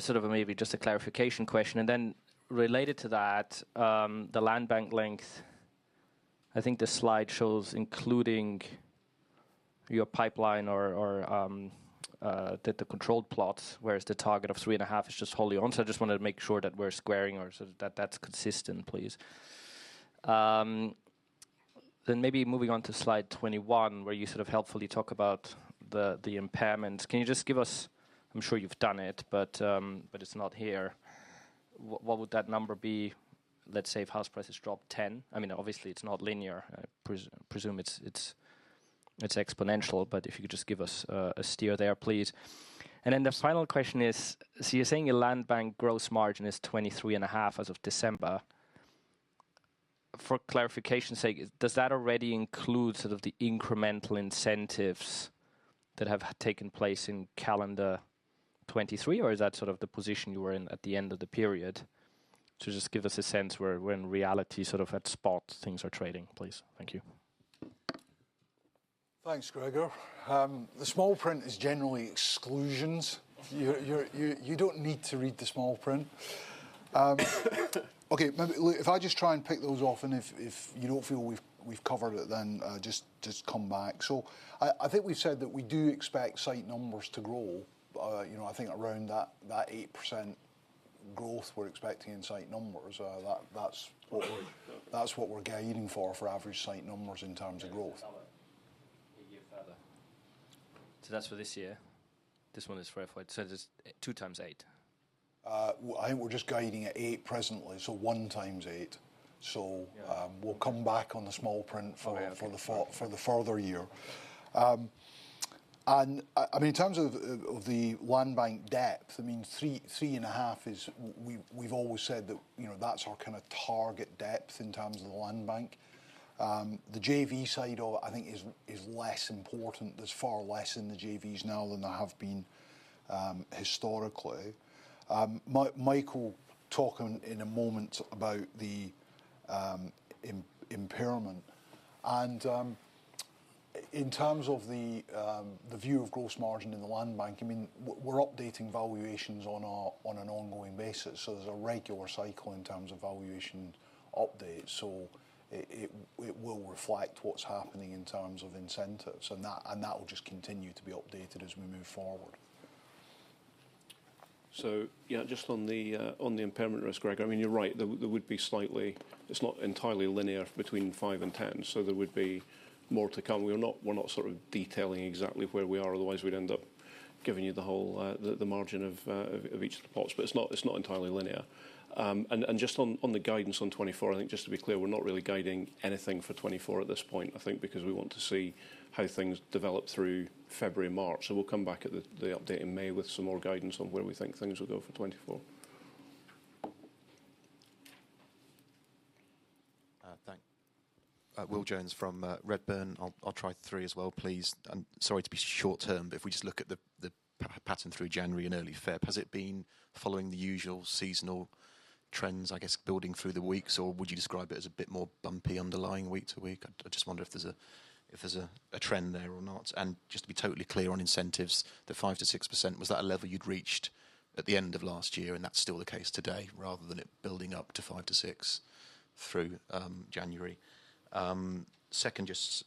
Maybe just a clarification question. Related to that, the land bank length, I think the slide shows including your pipeline or the controlled plots, whereas the target of 3.5 is just wholly-owned. I just want to make sure that we're squaring or that's consistent, please. Maybe moving on to Slide 21, where you sort of helpfully talk about the impairment. Can you just give us, I'm sure you've done it, but it's not here. What would that number be, let's say if house prices dropped 10%? I mean, obviously it's not linear. Presume it's exponential. If you could just give us a steer there, please. The final question is, you're saying your land bank gross margin is 23.5% as of December. For clarification's sake, does that already include sort of the incremental incentives that have taken place in calendar 23, or is that sort of the position you were in at the end of the period? To just give us a sense where in reality, sort of at spot things are trading, please. Thank you. Thanks, Gregor. The small print is generally exclusions. You don't need to read the small print. Okay. Maybe, look, if I just try and pick those off, and if you don't feel we've covered it then, just come back. I think we've said that we do expect site numbers to grow. You know, I think around that 8% growth we're expecting in site numbers, that's what we're guiding for average site numbers in terms of growth. A year further. That's for this year. This one is for FY, just two times eight. I think we're just guiding at eight presently, so one times eight. Yeah. We'll come back on the small print for the further year. I mean, in terms of the land bank depth, I mean, 3 and a half is we've always said that, you know, that's our kinda target depth in terms of the land bank. The JV side of it, I think is less important. There's far less in the JVs now than there have been historically. Michael will talk in a moment about the impairment. In terms of the view of gross margin in the land bank, I mean, we're updating valuations on an ongoing basis. There's a regular cycle in terms of valuation updates. It will reflect what's happening in terms of incentives, and that, and that will just continue to be updated as we move forward. Yeah, just on the impairment risk, Gregor. I mean, you're right, there would be slightly, it's not entirely linear between 5 and 10, so there would be more to come. We're not sort of detailing exactly where we are, otherwise we'd end up giving you the whole margin of each of the plots, but it's not entirely linear. Just on the guidance on 2024, I think just to be clear, we're not really guiding anything for 2024 at this point, I think because we want to see how things develop through February, March. We'll come back at the update in May with some more guidance on where we think things will go for 2024. Thank. Will Jones from Redburn. I'll try three as well, please. I'm sorry to be short term, if we just look at the pattern through January and early Feb, has it been following the usual seasonal? Trends, I guess, building through the weeks, or would you describe it as a bit more bumpy underlying week-to-week? I just wonder if there's a, if there's a trend there or not. Just to be totally clear on incentives, the 5%-6%, was that a level you'd reached at the end of last year, and that's still the case today rather than it building up to 5%-6% through January? Second, just,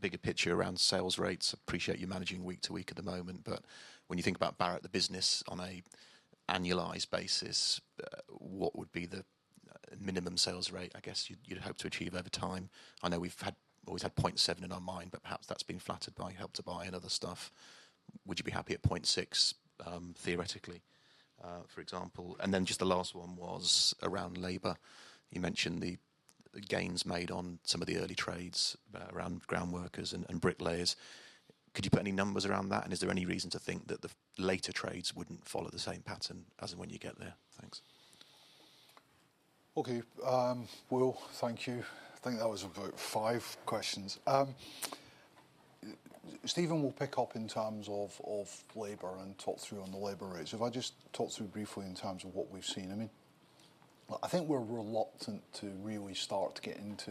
bigger picture around sales rates. Appreciate you managing week-to-week at the moment, but when you think about Barratt, the business on a annualized basis, what would be the minimum sales rate, I guess, you'd hope to achieve over time? I know we've had, always had 0.7 in our mind, but perhaps that's been flattered by Help to Buy and other stuff. Would you be happy at 0.6, theoretically, for example? Just the last one was around labor. You mentioned the gains made on some of the early trades around groundworkers and bricklayers. Could you put any numbers around that? Is there any reason to think that the later trades wouldn't follow the same pattern as when you get there? Thanks. Okay. Will, thank you. I think that was about five questions. Stephen will pick up in terms of labor and talk through on the labor rates. If I just talk through briefly in terms of what we've seen. I mean, I think we're reluctant to really start to get into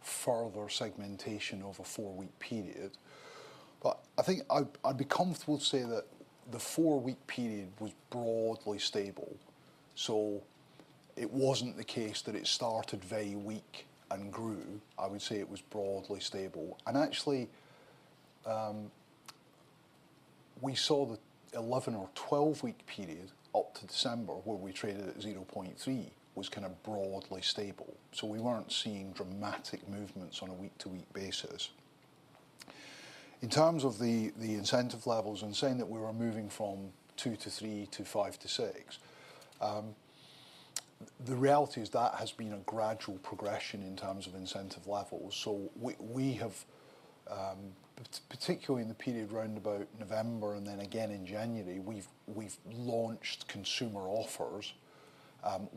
further segmentation of a four-week period. I think I'd be comfortable to say that the four-week period was broadly stable, so it wasn't the case that it started very weak and grew. I would say it was broadly stable. Actually, we saw the 11 or 12-week period up to December, where we traded at 0.3, was kind of broadly stable. We weren't seeing dramatic movements on a week-to-week basis. In terms of the incentive levels and saying that we were moving from 2 to 3 to 5 to 6, the reality is that has been a gradual progression in terms of incentive levels. We have particularly in the period around about November and then again in January, we've launched consumer offers,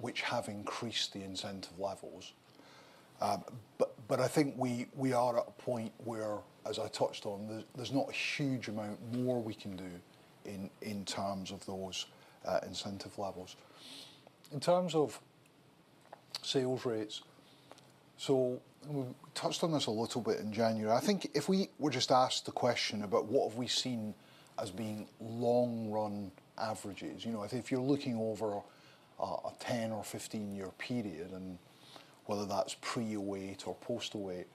which have increased the incentive levels. I think we are at a point where, as I touched on, there's not a huge amount more we can do in terms of those incentive levels. In terms of sales rates, we touched on this a little bit in January. I think if we were just asked the question about what have we seen as being long-run averages, you know, if you're looking over a 10 or 15-year period, and whether that's pre-2008 or post-2008,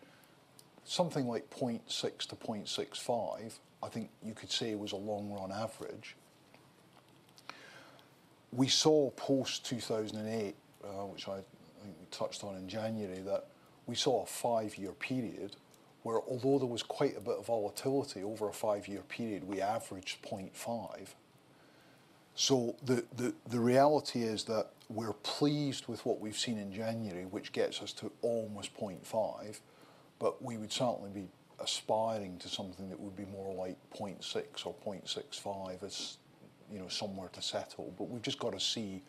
something like 0.6-0.65, I think you could say was a long-run average. We saw post-2008, which I think we touched on in January, that we saw a 5-year period where although there was quite a bit of volatility over a 5-year period, we averaged 0.5. The reality is that we're pleased with what we've seen in January, which gets us to almost 0.5, but we would certainly be aspiring to something that would be more like 0.6 or 0.65 as, you know, somewhere to settle. We've just got to see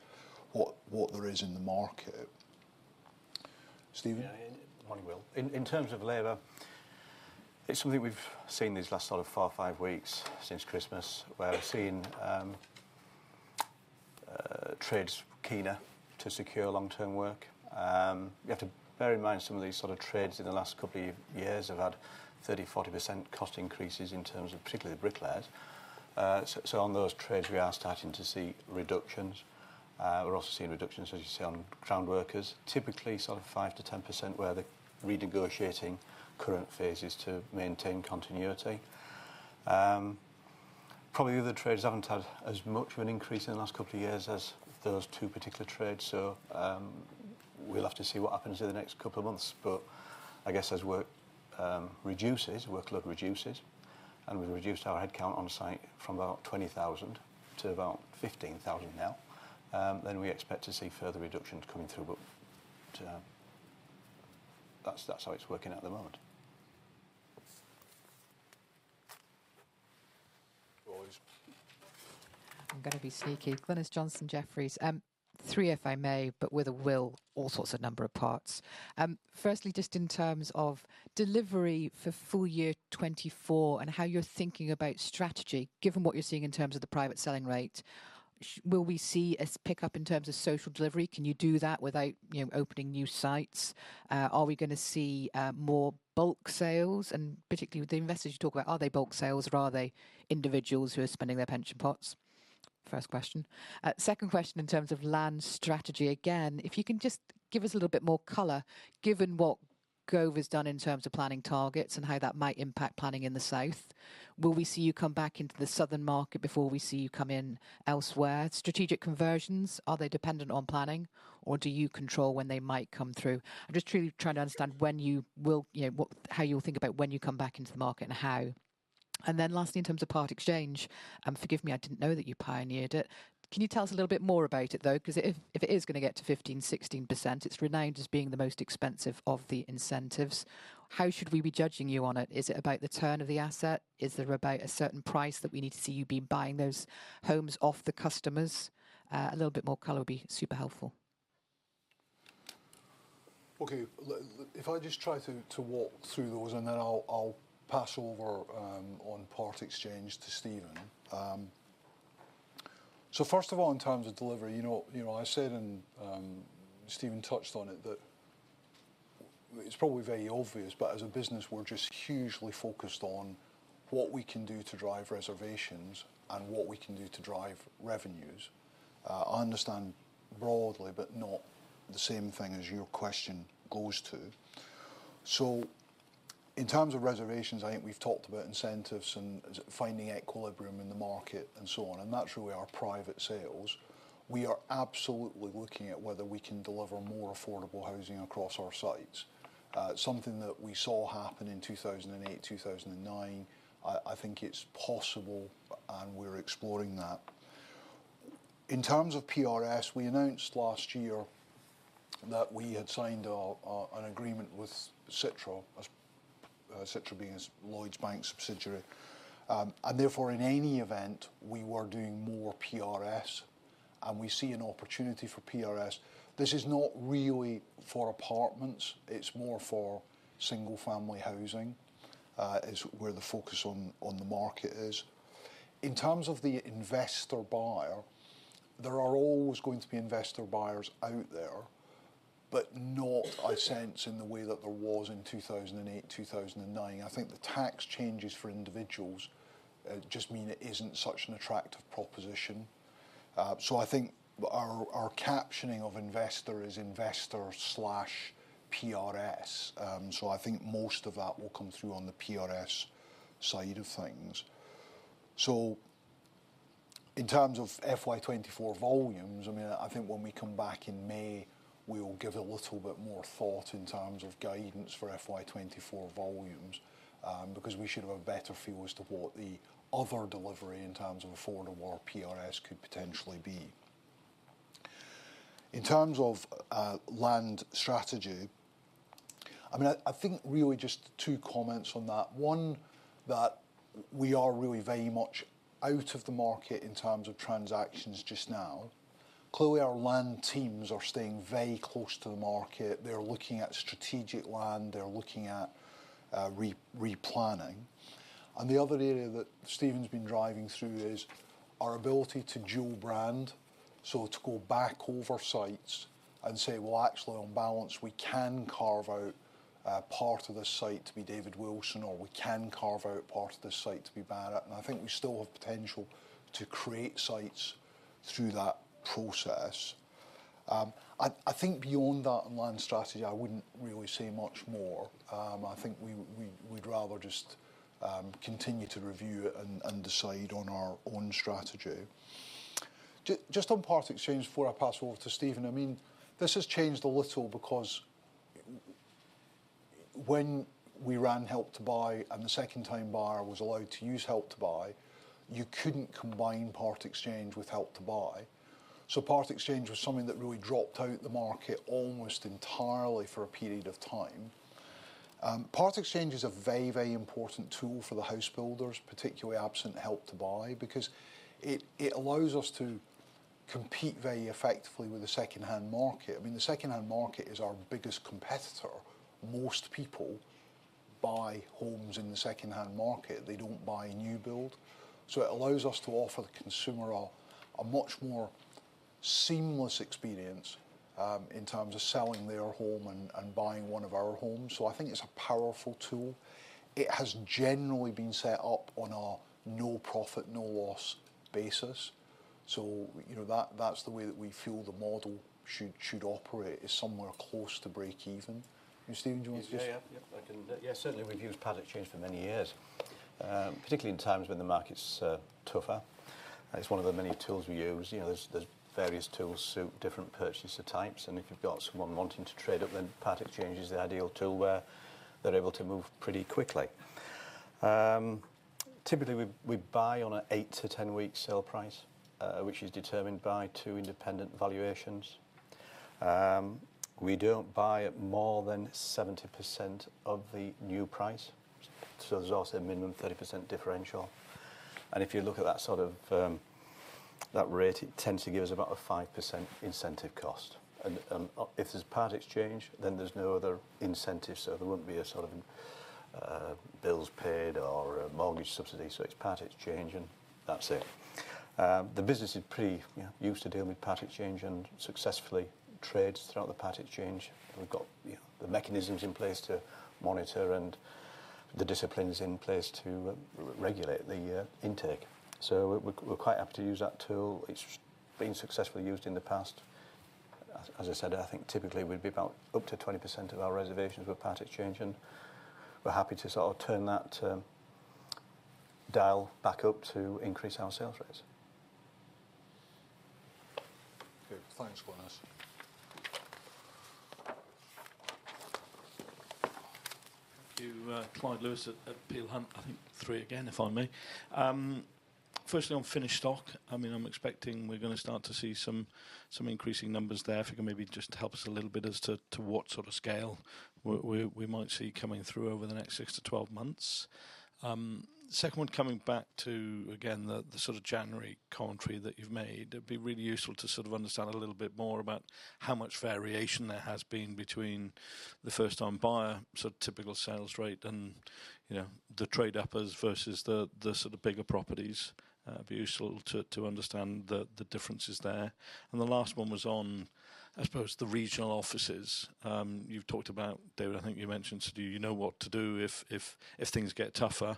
what there is in the market. Stephen? Yeah. Morning, Will. In terms of labor, it's something we've seen these last sort of four, five weeks since Christmas, where we've seen trades keener to secure long-term work. You have to bear in mind some of these sort of trades in the last couple years have had 30%, 40% cost increases in terms of particularly the bricklayers. On those trades, we are starting to see reductions. We're also seeing reductions, as you say, on groundworkers, typically sort of 5%-10% where they're renegotiating current phases to maintain continuity. Probably the other trades haven't had as much of an increase in the last couple of years as those two particular trades. We'll have to see what happens in the next couple of months. I guess as work reduces, workload reduces, and we've reduced our headcount on site from about 20,000 to about 15,000 now. We expect to see further reductions coming through. That's how it's working out at the moment. Glynis. I'm gonna be sneaky. Glynis Johnson, Jefferies. Three, if I may, but with a Will all sorts of number of parts. Firstly, just in terms of delivery for full year 2024 and how you're thinking about strategy, given what you're seeing in terms of the private selling rate, will we see a pickup in terms of social delivery? Can you do that without, you know, opening new sites? Are we gonna see more bulk sales? Particularly with the investors you talk about, are they bulk sales or are they individuals who are spending their pension pots? First question. Second question in terms of land strategy, again, if you can just give us a little bit more color, given what Gove has done in terms of planning targets and how that might impact planning in the South, will we see you come back into the Southern market before we see you come in elsewhere? Strategic conversions, are they dependent on planning, or do you control when they might come through? I'm just truly trying to understand when you will, you know, how you'll think about when you come back into the market and how. Lastly, in terms of part exchange, forgive me, I didn't know that you pioneered it. Can you tell us a little bit more about it, though? 'Cause if it is gonna get to 15%-16%, it's renowned as being the most expensive of the incentives. How should we be judging you on it? Is it about the turn of the asset? Is there about a certain price that we need to see you be buying those homes off the customers? A little bit more color would be super helpful. Okay. If I just try to walk through those, and then I'll pass over on part exchange to Stephen. First of all, in terms of delivery, you know, I said and Stephen touched on it that it's probably very obvious, but as a business, we're just hugely focused on what we can do to drive reservations and what we can do to drive revenues. I understand broadly, but not the same thing as your question goes to. In terms of reservations, I think we've talked about incentives and finding equilibrium in the market, and so on, and naturally our private sales. We are absolutely looking at whether we can deliver more affordable housing across our sites. Something that we saw happen in 2008, 2009. I think it's possible, we're exploring that. In terms of PRS, we announced last year that we had signed an agreement with Citra Living, Citra Living being Lloyds Banking Group subsidiary. Therefore, in any event, we were doing more PRS, and we see an opportunity for PRS. This is not really for apartments. It's more for single-family housing, is where the focus on the market is. In terms of the investor buyer, there are always going to be investor buyers out there, but not I sense in the way that there was in 2008, 2009. I think the tax changes for individuals just mean it isn't such an attractive proposition. I think our captioning of investor is investor/PRS. I think most of that will come through on the PRS side of things. In terms of FY24 volumes, I mean, I think when we come back in May, we will give a little bit more thought in terms of guidance for FY24 volumes, because we should have a better feel as to what the other delivery in terms of affordable PRS could potentially be. In terms of land strategy, I mean, I think really just two comments on that. One, that we are really very much out of the market in terms of transactions just now. Clearly, our land teams are staying very close to the market. They're looking at strategic land. They're looking at replanning. The other area that Stephen's been driving through is our ability to dual brand. To go back over sites and say, "Well, actually, on balance, we can carve out part of this site to be David Wilson," or, "We can carve out part of this site to be Barratt." I think we still have potential to create sites through that process. I think beyond that on land strategy, I wouldn't really say much more. I think we would rather just continue to review it and decide on our own strategy. Just on part exchange, before I pass over to Stephen, I mean, this has changed a little because when we ran Help to Buy and the second home buyer was allowed to use Help to Buy, you couldn't combine part exchange with Help to Buy. part exchange was something that really dropped out the market almost entirely for a period of time. Part exchange is a very, very important tool for the housebuilders, particularly absent Help to Buy, because it allows us to compete very effectively with the second-hand market. I mean, the second-hand market is our biggest competitor. Most people buy homes in the second-hand market. They don't buy new build. It allows us to offer the consumer a much more seamless experience in terms of selling their home and buying one of our homes. I think it's a powerful tool. It has generally been set up on a no profit, no loss basis. you know, that's the way that we feel the model should operate is somewhere close to breakeven. Stephen, do you want to just. Yeah. Yeah. Yep. Certainly we've used part exchange for many years, particularly in times when the market's tougher. It's one of the many tools we use. You know, there's various tools suit different purchaser types. If you've got someone wanting to trade up, then part exchange is the ideal tool where they're able to move pretty quickly. Typically, we buy on a eight to 10 week sale price, which is determined by two independent valuations. We don't buy at more than 70% of the new price. There's also a minimum 30% differential. If you look at that sort of that rate, it tends to give us about a 5% incentive cost. If there's part exchange, then there's no other incentives. There wouldn't be a, sort of, bills paid or a mortgage subsidy. It's part exchange, and that's it. The business is pretty, you know, used to dealing with part exchange and successfully trades throughout the part exchange. We've got, you know, the mechanisms in place to monitor and the disciplines in place to regulate the intake. We're quite happy to use that tool. It's been successfully used in the past. As I said, I think typically we'd be about up to 20% of our reservations were part exchange, and we're happy to sort of turn that dial back up to increase our sales rates. Okay, thanks, Stephen. Thank you. Clyde Lewis at Peel Hunt. I think three again, if I may. Firstly, on finished stock, I mean, I'm expecting we're gonna start to see some increasing numbers there. If you can maybe just help us a little bit as to what sort of scale we might see coming through over the next six to 12 months. Second one coming back to, again, the sort of January commentary that you've made, it'd be really useful to sort of understand a little bit more about how much variation there has been between the first-time buyer, so typical sales rate and, you know, the trade-uppers versus the sort of bigger properties. It'd be useful to understand the differences there. The last one was on, I suppose the regional offices. You've talked about, David, I think you mentioned do you know what to do if things get tougher?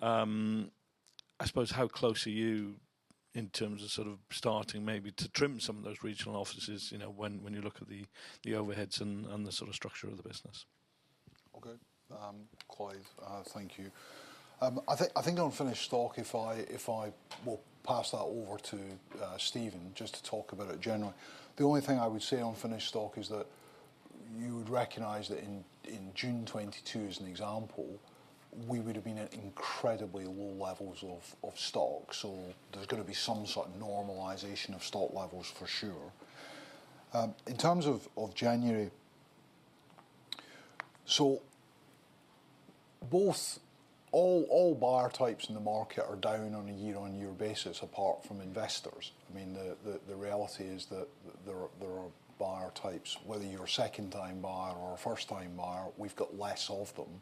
I suppose how close are you in terms of sort of starting maybe to trim some of those regional offices, you know, when you look at the overheads and the sort of structure of the business? Okay. Clyde, thank you. I think on finished stock, we'll pass that over to Stephen, just to talk about it generally. The only thing I would say on finished stock is that you would recognize that in June 2022 as an example, we would have been at incredibly low levels of stock. There's gonna be some sort of normalization of stock levels for sure. In terms of January, all buyer types in the market are down on a year-on-year basis apart from investors. I mean, the reality is that there are buyer types, whether you're a second-time buyer or a first-time buyer, we've got less of them.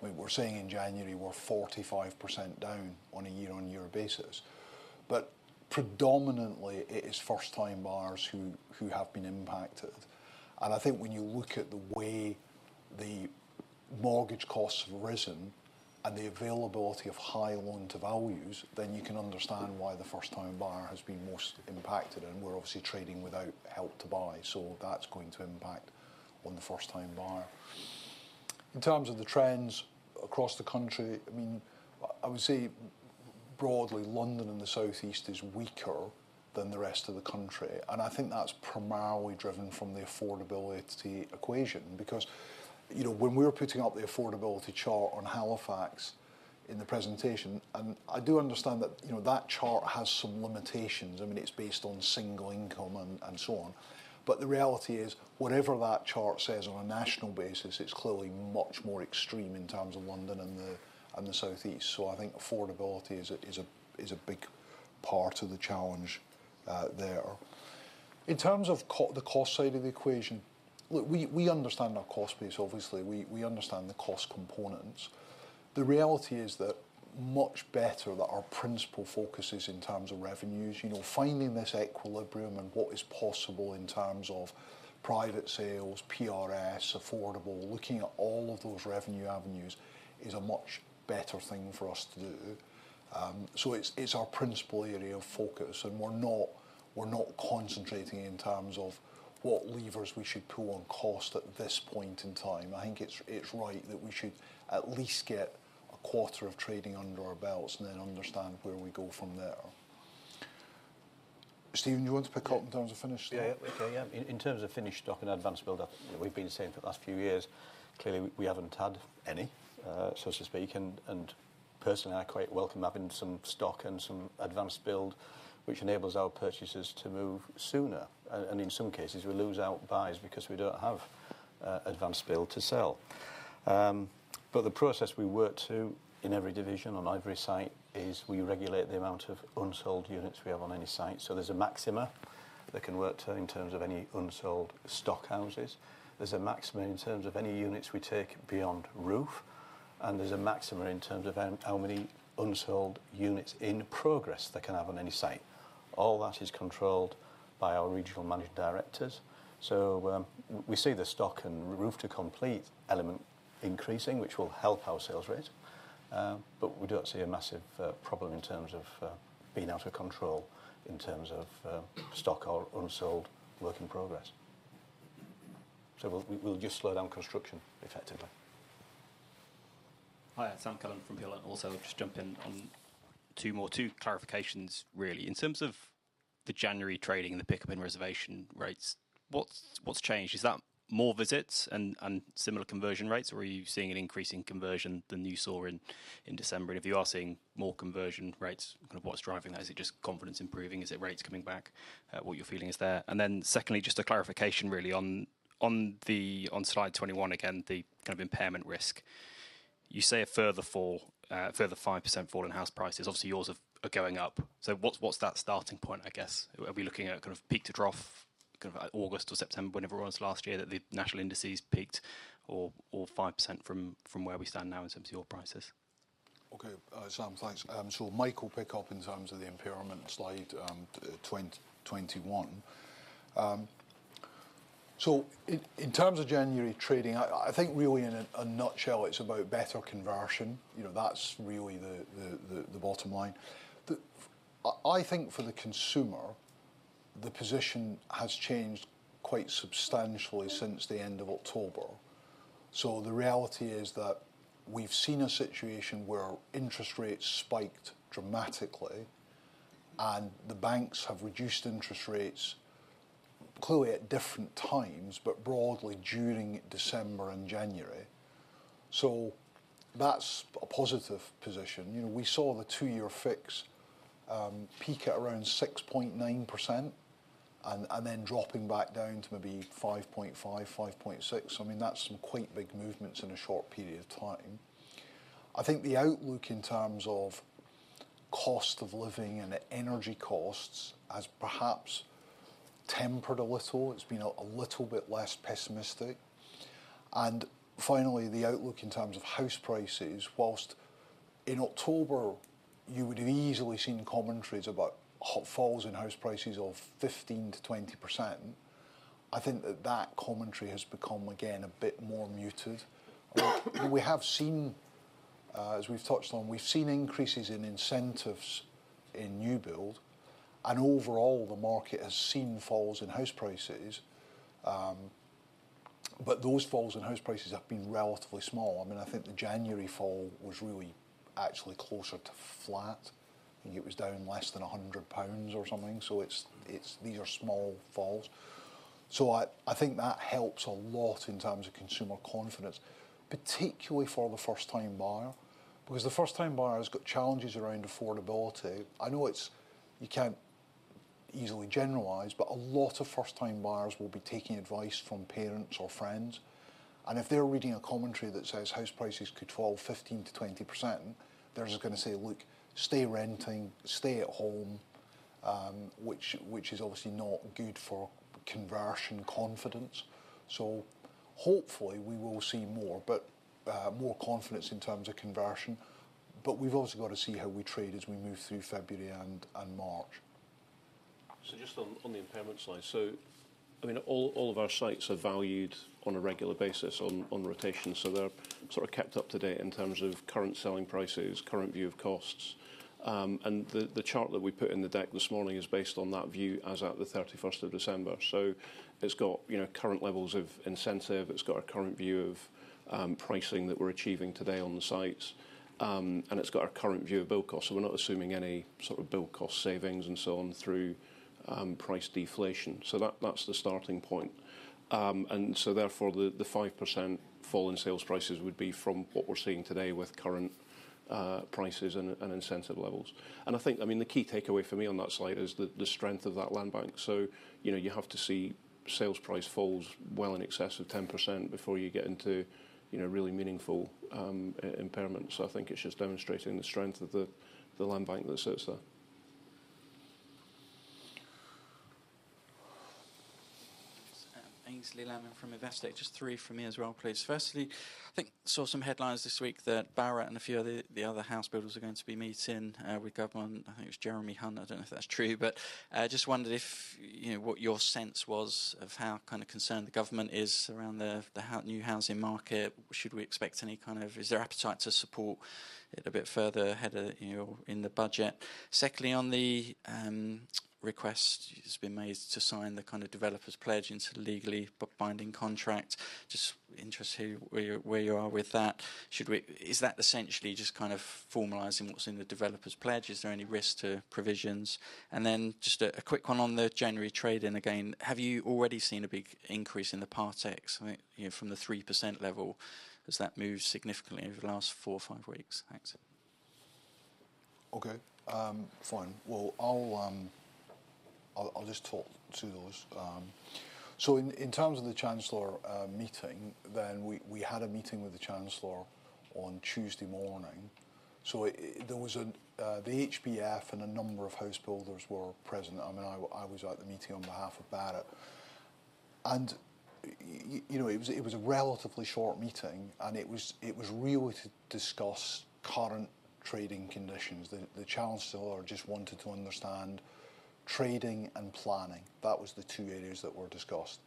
We were seeing in January we're 45% down on a year-on-year basis. Predominantly, it is first-time buyers who have been impacted. I think when you look at the way the mortgage costs have risen and the availability of high loan-to-values, then you can understand why the first-time buyer has been most impacted, and we're obviously trading without Help to Buy, so that's going to impact on the first-time buyer. In terms of the trends across the country, I mean, I would say broadly London and the South East is weaker than the rest of the country, and I think that's primarily driven from the affordability equation. You know, when we were putting up the affordability chart on Halifax in the presentation, and I do understand that, you know, that chart has some limitations. It's based on single income and so on. The reality is whatever that chart says on a national basis, it's clearly much more extreme in terms of London and the South East. I think affordability is a big part of the challenge there. In terms of the cost side of the equation, look, we understand our cost base, obviously. We understand the cost components. The reality is that much better that our principal focus is in terms of revenues. You know, finding this equilibrium and what is possible in terms of private sales, PRS, affordable, looking at all of those revenue avenues is a much better thing for us to do. It's our principal area of focus, and we're not concentrating in terms of what levers we should pull on cost at this point in time. I think it's right that we should at least get a quarter of trading under our belts and then understand where we go from there. Stephen, do you want to pick up in terms of finished stock? Yeah. Okay, yeah. In terms of finished stock and advanced build-up, you know, we've been saying for the last few years, clearly we haven't had any so to speak, and personally, I quite welcome having some stock and some advanced build, which enables our purchasers to move sooner. In some cases, we lose out buys because we don't have advanced build to sell. The process we work to in every division on every site is we regulate the amount of unsold units we have on any site. There's a maxima that can work to in terms of any unsold stock houses. There's a maxima in terms of any units we take beyond roof, and there's a maxima in terms of how many unsold units in progress they can have on any site. All that is controlled by our regional managing directors. We see the stock and roof to complete element increasing, which will help our sales rate. We don't see a massive problem in terms of being out of control in terms of stock or unsold work in progress. We'll just slow down construction effectively. Hi, Sam Cullen from Berenberg. Just jump in on 2 more, 2 clarifications really. In terms of the January trading and the pickup in reservation rates, what's changed? Is that more visits and similar conversion rates, or are you seeing an increase in conversion than you saw in December? If you are seeing more conversion rates, kind of what's driving that? Is it just confidence improving? Is it rates coming back, what you're feeling is there? Then secondly, just a clarification really on the, on slide 21, again, the kind of impairment risk. You say a further 5% fall in house prices. Obviously, yours are going up. What's that starting point, I guess? Are we looking at kind of peak to trough, kind of August or September, whenever it was last year that the national indices peaked or 5% from where we stand now in terms of your prices? Okay. Sam, thanks. Mike will pick up in terms of the impairment slide, 2021. In terms of January trading, I think really in a nutshell, it's about better conversion. You know, that's really the bottom line. I think for the consumer, the position has changed quite substantially since the end of October. The reality is that we've seen a situation where interest rates spiked dramatically, and the banks have reduced interest rates clearly at different times, but broadly during December and January. That's a positive position. You know, we saw the two-year fix peak at around 6.9% and then dropping back down to maybe 5.5%, 5.6%. I mean, that's some quite big movements in a short period of time. I think the outlook in terms of cost of living and energy costs has perhaps tempered a little. It's been a little bit less pessimistic. Finally, the outlook in terms of house prices, whilst in October you would have easily seen commentaries about falls in house prices of 15%-20%. I think that commentary has become again, a bit more muted. We have seen, as we've touched on, we've seen increases in incentives in new build, and overall the market has seen falls in house prices. Those falls in house prices have been relatively small. I mean, I think the January fall was really actually closer to flat. I think it was down less than 100 pounds or something. These are small falls. I think that helps a lot in terms of consumer confidence, particularly for the first time buyer. Because the first time buyer has got challenges around affordability. I know you can't easily generalize, but a lot of first time buyers will be taking advice from parents or friends, and if they're reading a commentary that says house prices could fall 15%-20%, they're just gonna say, "Look, stay renting, stay at home." Which is obviously not good for conversion confidence. Hopefully we will see more, but more confidence in terms of conversion. We've also got to see how we trade as we move through February and March. Just on the impairment side. I mean, all of our sites are valued on a regular basis on rotation, so they're sort of kept up to date in terms of current selling prices, current view of costs. And the chart that we put in the deck this morning is based on that view as at the 31st of December. It's got, you know, current levels of incentive, it's got our current view of pricing that we're achieving today on the sites. And it's got our current view of build cost. We're not assuming any sort of build cost savings and so on through price deflation. That's the starting point. Therefore the 5% fall in sales prices would be from what we're seeing today with current prices and incentive levels. I think, I mean, the key takeaway for me on that slide is the strength of that land bank. You know, you have to see sales price falls well in excess of 10% before you get into, you know, really meaningful impairment. I think it's just demonstrating the strength of the land bank that sits there. Aynsley Lammin from Investec. Just three from me as well, please. Firstly, I think saw some headlines this week that Barratt and a few of the other house builders are going to be meeting with Government. I think it was Jeremy Hunt. I don't know if that's true. Just wondered if, you know, what your sense was of how kind of concerned the Government is around the new housing market. Should we expect any kind of? Is there appetite to support it a bit further ahead, you know, in the Budget? Secondly, on the request that's been made to sign the kind of Developer Pledge into a legally binding contract. Just interested where you are with that. Is that essentially just kind of formalizing what's in the Developer Pledge? Is there any risk to provisions? Just a quick one on the January trade-in again. Have you already seen a big increase in the Part Ex, I think, you know, from the 3% level as that moves significantly over the last four or five weeks? Thanks. Okay. Fine. Well, I'll just talk to those. In terms of the Chancellor meeting, we had a meeting with the Chancellor on Tuesday morning. There was the HBF and a number of house builders were present. I mean, I was at the meeting on behalf of Barratt. You know, it was a relatively short meeting, and it was really to discuss current trading conditions. The Chancellor just wanted to understand trading and planning. That was the two areas that were discussed.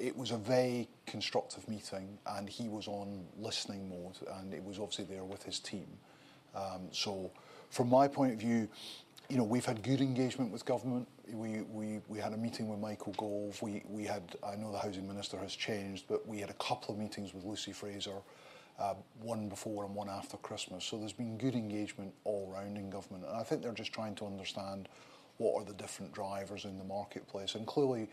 It was a very constructive meeting, and he was on listening mode, and he was obviously there with his team. From my point of view, you know, we've had good engagement with government. We had a meeting with Michael Gove. We had I know the housing minister has changed, but we had a couple of meetings with Lucy Frazer, one before and one after Christmas. There's been good engagement all around in government. I think they're just trying to understand what are the different drivers in the marketplace. Clearly,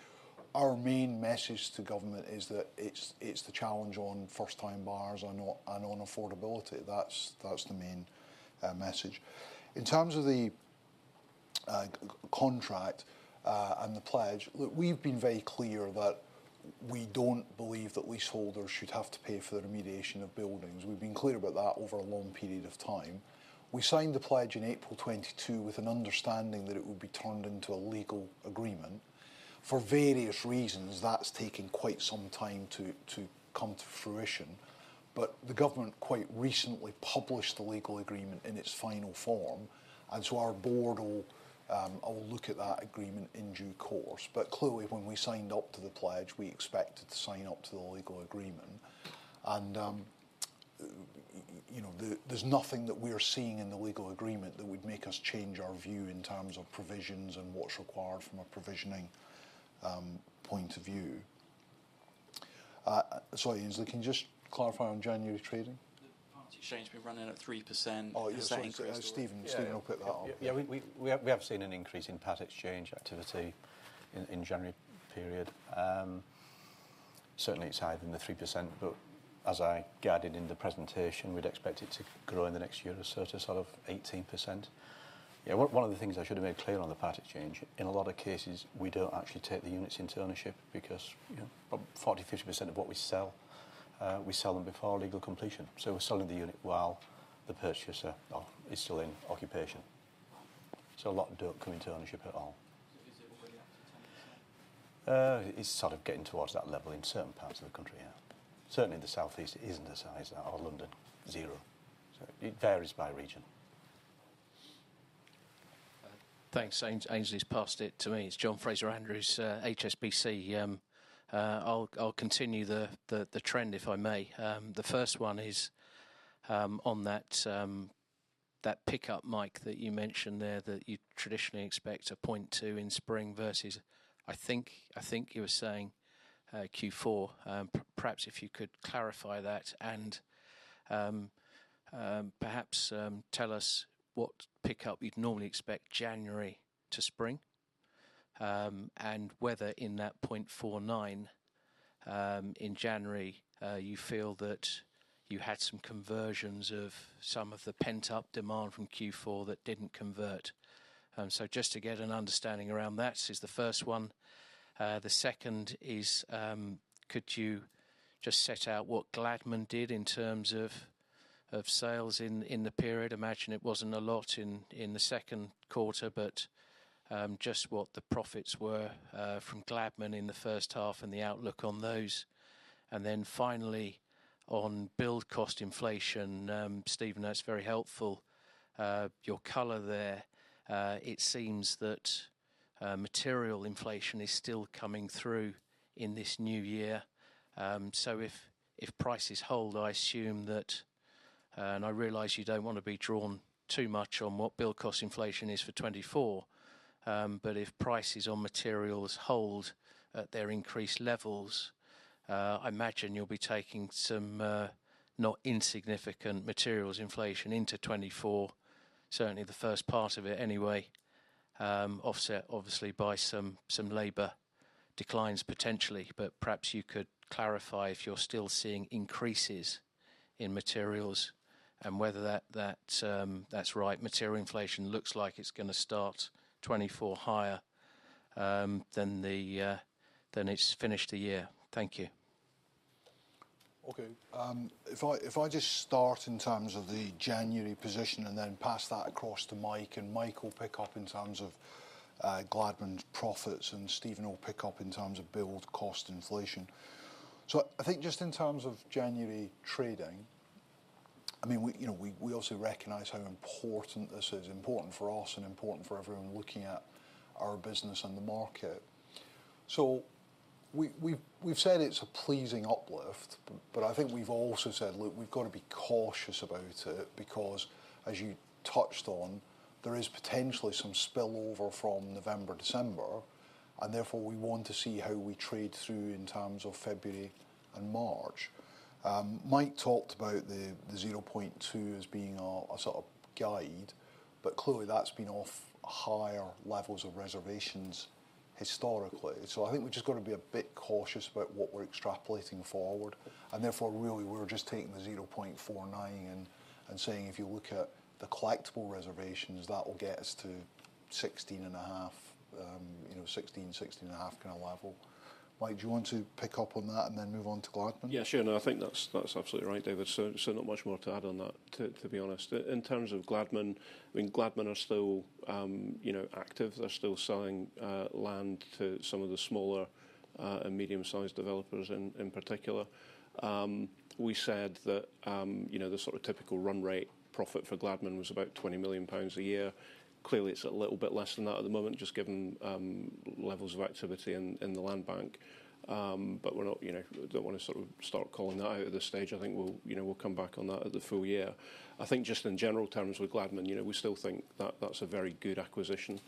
our main message to government is that it's the challenge on first-time buyers and on affordability. That's the main message. In terms of the contract and the Pledge, look, we've been very clear that we don't believe that leaseholders should have to pay for the remediation of buildings. We've been clear about that over a long period of time. We signed the Pledge in April 2022 with an understanding that it would be turned into a legal agreement. For various reasons, that's taken quite some time to come to fruition. The government quite recently published the Legal Agreement in its final form. So our board will look at that Agreement in due course. Clearly, when we signed up to the Pledge, we expected to sign up to the Legal Agreement. You know, there's nothing that we are seeing in the Legal Agreement that would make us change our view in terms of provisions and what's required from a provisioning point of view. Sorry, Aynsley, can you just clarify on January trading? Exchange been running at 3%. Oh, you're saying, Stephen will pick that up. Yeah, we have seen an increase in part exchange activity in January period. Certainly it's higher than 3%, as I guided in the presentation, we'd expect it to grow in the next year to sort of 18%. Yeah, one of the things I should have made clear on the part exchange, in a lot of cases, we don't actually take the units into ownership because, you know, 40% to 50% of what we sell, we sell them before legal completion. We're selling the unit while the purchaser is still in occupation. A lot don't come into ownership at all. Is it already up to 10%? It's sort of getting towards that level in certain parts of the country, yeah. Certainly the Southeast isn't as high as that, or London 0. It varies by region. Thanks. Aynsley's passed it to me. It's John Fraser-Andrews, HSBC. I'll continue the trend if I may. The first one is, on that pickup, Mike, that you mentioned there that you traditionally expect a 0.2 in spring versus I think you were saying Q4. Perhaps if you could clarify that and perhaps tell us what pickup you'd normally expect January to spring. And whether in that 0.49 in January, you feel that you had some conversions of some of the pent-up demand from Q4 that didn't convert. Just to get an understanding around that is the first one. The second is, could you just set out what Gladman did in terms of sales in the period? I imagine it wasn't a lot in the second quarter, but just what the profits were from Gladman in the first half and the outlook on those. Finally, on build cost inflation, Stephen, that's very helpful, your color there. It seems that material inflation is still coming through in this new year. So if prices hold, I assume that, and I realize you don't wanna be drawn too much on what build cost inflation is for 2024, but if prices on materials hold at their increased levels, I imagine you'll be taking some not insignificant materials inflation into 2024, certainly the first part of it anyway, offset obviously by some labor declines potentially. Perhaps you could clarify if you're still seeing increases in materials and whether that's right, material inflation looks like it's gonna start 2024 higher than it's finished a year. Thank you. Okay. If I just start in terms of the January position and then pass that across to Mike, and Mike will pick up in terms of Gladman's profits, and Stephen will pick up in terms of build cost inflation. I think just in terms of January trading, I mean, we, you know, we also recognize how important this is. Important for us and important for everyone looking at our business and the market. We've said it's a pleasing uplift, but I think we've also said, look, we've got to be cautious about it because, as you touched on, there is potentially some spillover from November, December, and therefore, we want to see how we trade through in terms of February and March. Mike talked about the 0.2 as being our sort of guide, but clearly, that's been off higher levels of reservations historically. I think we've just got to be a bit cautious about what we're extrapolating forward. Therefore, really, we're just taking the 0.49 and saying, if you look at the collectible reservations, that will get us to 16 and a half, you know, 16 and a half kind of level. Mike, do you want to pick up on that and then move on to Gladman? Yeah, sure. I think that's absolutely right, David. Not much more to add on that, to be honest. In terms of Gladman, I mean, Gladman are still, you know, active. They're still selling land to some of the smaller and medium-sized developers in particular. We said that, you know, the sort of typical run rate profit for Gladman was about 20 million pounds a year. Clearly, it's a little bit less than that at the moment, just given levels of activity in the land bank. We're not, you know, don't wanna sort of start calling that out at this stage. I think we'll, you know, we'll come back on that at the full year. I think just in general terms with Gladman, you know, we still think that that's a very good acquisition,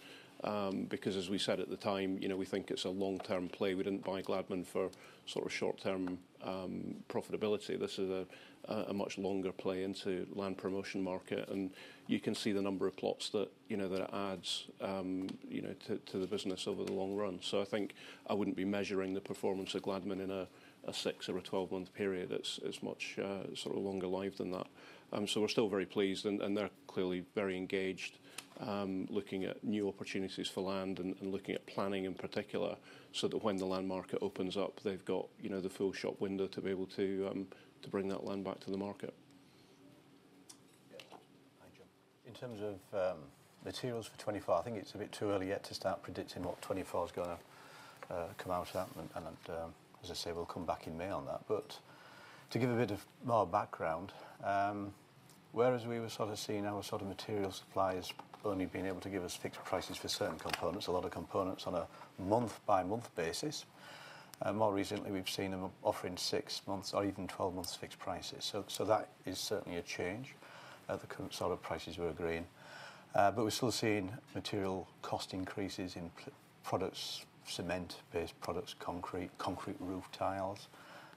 because as we said at the time, you know, we think it's a long-term play. We didn't buy Gladman for sort of short-term profitability. This is a much longer play into land promotion market. You can see the number of plots that, you know, that it adds, you know, to the business over the long run. I think I wouldn't be measuring the performance of Gladman in a six or a 12-month period. It's much longer life than that. We're still very pleased and they're clearly very engaged, looking at new opportunities for land and looking at planning in particular, so that when the land market opens up, they've got, you know, the full shop window to be able to bring that land back to the market. Yeah. Thank you. In terms of materials for 24, I think it's a bit too early yet to start predicting what 24's gonna come out at, and, as I say, we'll come back in May on that. To give a bit of more background, whereas we were sort of seeing our sort of material suppliers only being able to give us fixed prices for certain components, a lot of components on a month-by-month basis, more recently we've seen them offering six months or even 12 months fixed prices. That is certainly a change. At the current solar prices we're agreeing. We're still seeing material cost increases in products, cement-based products, concrete roof tiles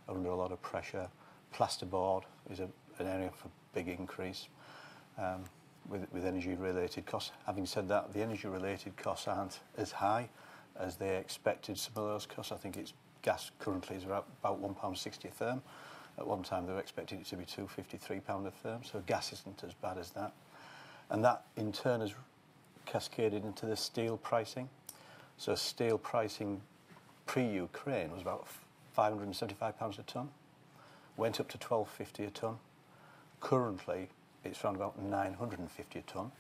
are under a lot of pressure. Plasterboard is an area of big increase, with energy related costs. Having said that, the energy related costs aren't as high as they expected some of those costs. I think it's gas currently is around about 1.60 pound a therm. At one time, they were expecting it to be 2.53 pound a therm. Gas isn't as bad as that. That in turn has cascaded into the steel pricing. Steel pricing pre-Ukraine was about 575 pounds a ton. Went up to 1,250 a ton. Currently, it's around about 950 a ton.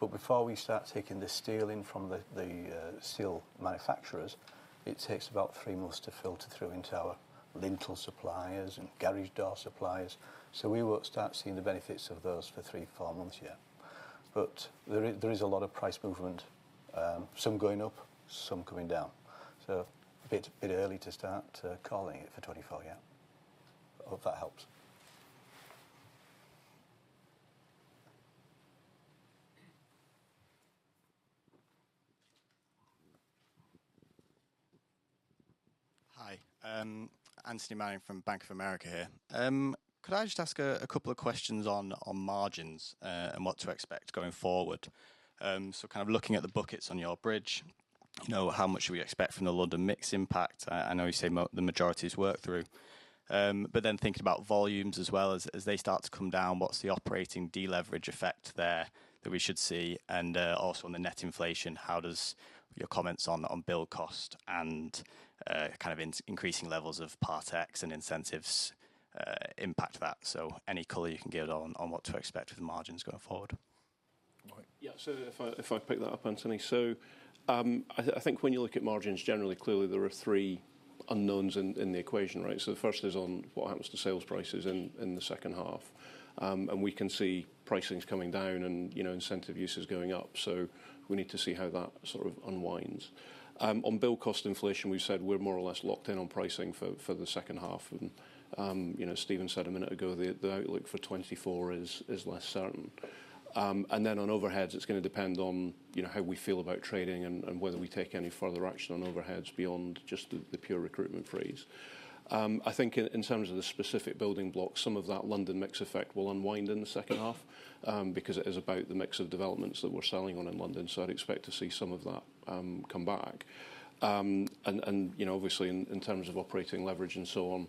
Before we start taking the steel in from the steel manufacturers, it takes about three months to filter through into our lintel suppliers and garage door suppliers. We won't start seeing the benefits of those for three, four months yet. There is a lot of price movement, some going up, some coming down. A bit early to start calling it for 2024 yet. I hope that helps. Hi, Anthony Manning from Bank of America here. Could I just ask a couple of questions on margins and what to expect going forward? Kind of looking at the buckets on your bridge, you know, how much should we expect from the London mix impact? I know you say the majority is worked through. Thinking about volumes as well as they start to come down, what's the operating deleverage effect there that we should see? Also on the net inflation, how does your comments on build cost and kind of increasing levels of Part Ex and incentives impact that? Any color you can give on what to expect with margins going forward. Mike? Yeah. If I pick that up, Anthony. I think when you look at margins generally, clearly there are 3 unknowns in the equation, right? The first is on what happens to sales prices in the second half. We can see pricings coming down and, you know, incentive usage going up. We need to see how that sort of unwinds. On build cost inflation, we've said we're more or less locked in on pricing for the second half. You know, Stephen said a minute ago, the outlook for 2024 is less certain. On overheads, it's going to depend on, you know, how we feel about trading and whether we take any further action on overheads beyond just the pure recruitment freeze. I think in terms of the specific building blocks, some of that London mix effect will unwind in the second half because it is about the mix of developments that we're selling on in London. I'd expect to see some of that come back. You know, obviously in terms of operating leverage and so on,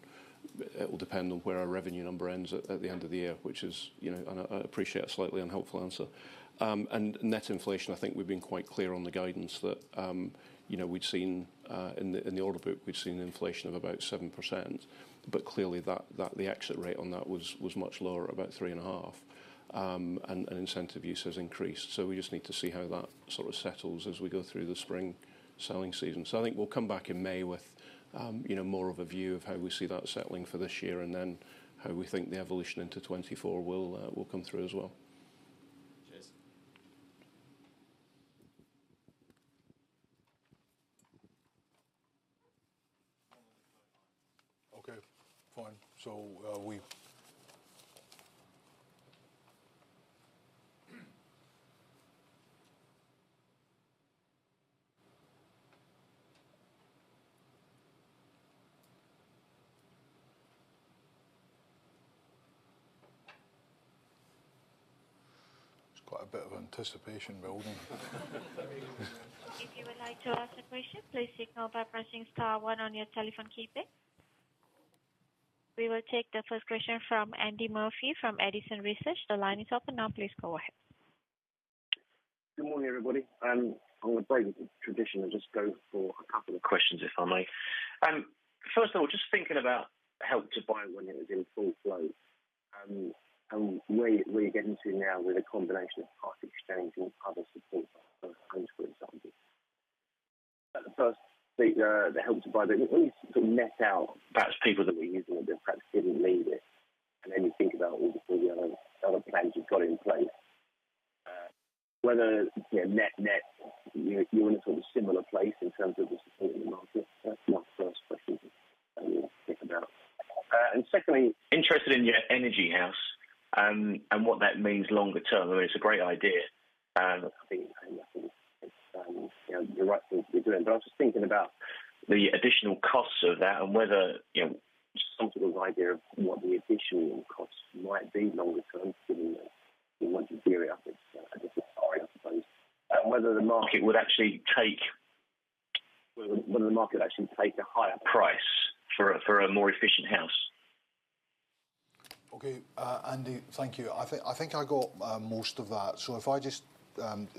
it will depend on where our revenue number ends at the end of the year, which is, you know, and I appreciate a slightly unhelpful answer. Net inflation, I think we've been quite clear on the guidance that, you know, we'd seen in the order book, we'd seen inflation of about 7%, but clearly the exit rate on that was much lower, about 3.5%. Incentive use has increased. We just need to see how that sort of settles as we go through the spring selling season. I think we'll come back in May with, you know, more of a view of how we see that settling for this year and then how we think the evolution into 2024 will come through as well. Okay, fine. There's quite a bit of anticipation building. If you would like to ask a question, please signal by pressing star one on your telephone keypad. We will take the first question from Andy Murphy from Edison Research. The line is open. Now please go ahead. Good morning, everybody. I'm gonna break with tradition and just go for a couple of questions, if I may. First of all, just thinking about Help to Buy when it was in full flow, and where you're getting to now with a combination of Part Exchange and other support for first-time buyers. At first, the Help to Buy, when you sort of net out perhaps people that were using it that perhaps didn't need it, and then you think about all the other plans you've got in place, whether, you know, net, you're in a sort of similar place in terms of the support in the market. That's my first question to think about. Secondly, interested in your Energy House, and what that means longer term. I mean, it's a great idea, and I think, you know, the right thing to be doing. I was just thinking about the additional costs of that and whether, you know, some sort of idea of what the additional costs might be longer term given that we want to gear it up as a society, whether the market would actually take a higher price for a more efficient house. Okay. Andy, thank you. I think I got most of that. If I just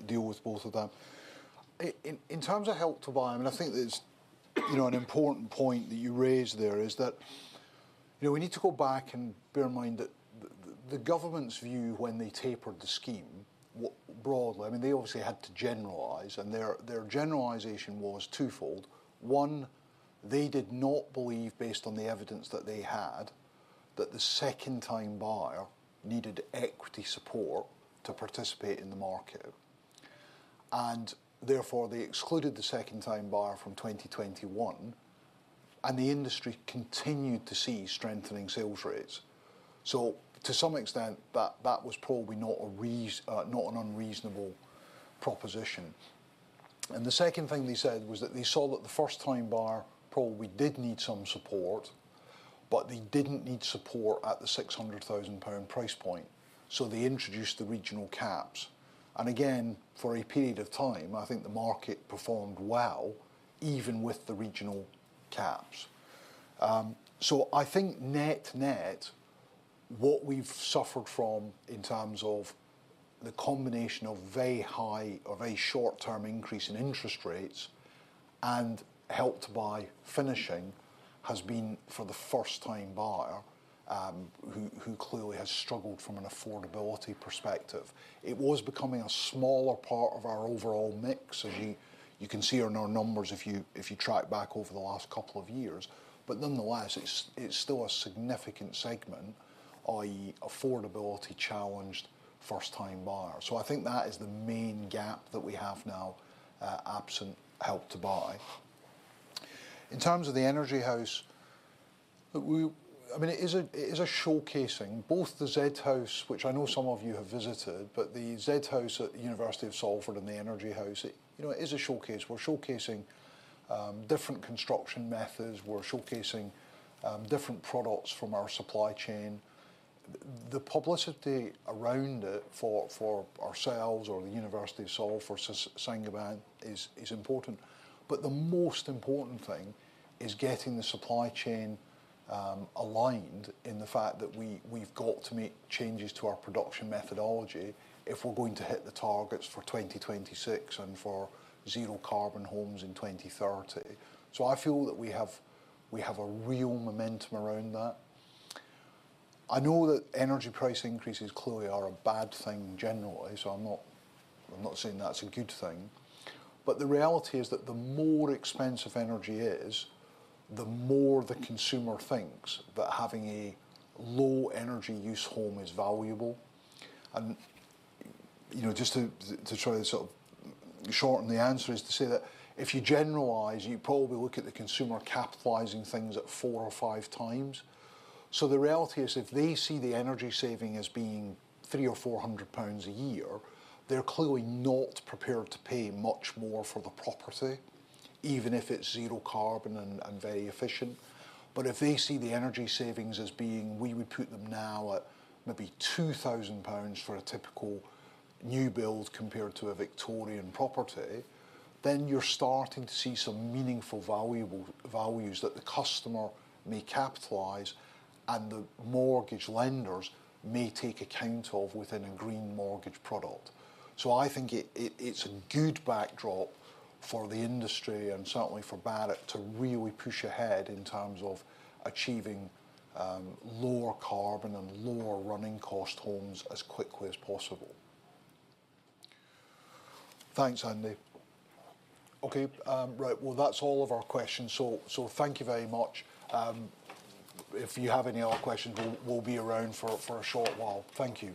deal with both of them. In terms of Help to Buy, I mean, I think there's, you know, an important point that you raised there is that, you know, we need to go back and bear in mind that the government's view when they tapered the scheme broadly, I mean, they obviously had to generalize, and their generalization was twofold. One, they did not believe, based on the evidence that they had, that the second time buyer needed equity support to participate in the market. Therefore, they excluded the second time buyer from 2021 and the industry continued to see strengthening sales rates. To some extent that was probably not an unreasonable proposition. The second thing they said was that they saw that the first time buyer probably did need some support, but they didn't need support at the 600,000 pound price point. They introduced the regional caps. Again, for a period of time I think the market performed well even with the regional caps. I think net-net what we've suffered from in terms of the combination of very high or very short term increase in interest rates and Help to Buy finishing has been for the first time buyer, who clearly has struggled from an affordability perspective. It was becoming a smaller part of our overall mix as you can see in our numbers if you track back over the last couple of years. Nonetheless it's still a significant segment, i.e., affordability challenged first time buyer. I think that is the main gap that we have now, absent Help to Buy. In terms of the Energy House, I mean it is a showcasing both the Zed House which I know some of you have visited. The Zed House at the University of Salford and the Energy House it, you know, is a showcase. We're showcasing different construction methods. We're showcasing different products from our supply chain. The publicity around it for ourselves or the University of Salford sing about is important. The most important thing is getting the supply chain aligned in the fact that we've got to make changes to our production methodology if we're going to hit the targets for 2026 and for zero carbon homes in 2030. I feel that we have a real momentum around that. I know that energy price increases clearly are a bad thing generally, so I'm not saying that's a good thing. The reality is that the more expensive energy is the more the consumer thinks that having a low energy use home is valuable. You know just to try to sort of shorten the answer is to say that if you generalize you probably look at the consumer capitalizing things at four or 5x. The reality is if they see the energy saving as being 300 or 400 pounds a year they're clearly not prepared to pay much more for the property even if it's zero carbon and very efficient. If they see the energy savings as being we would put them now at maybe 2,000 pounds for a typical new build compared to a Victorian property, then you're starting to see some meaningful valuable, values that the customer may capitalize and the mortgage lenders may take account of within a green mortgage product. I think it's a good backdrop for the industry and certainly for Barratt to really push ahead in terms of achieving lower carbon and lower running cost homes as quickly as possible. Thanks, Andy. Okay, right. That's all of our questions, so thank you very much. If you have any other questions we'll be around for a short while. Thank you.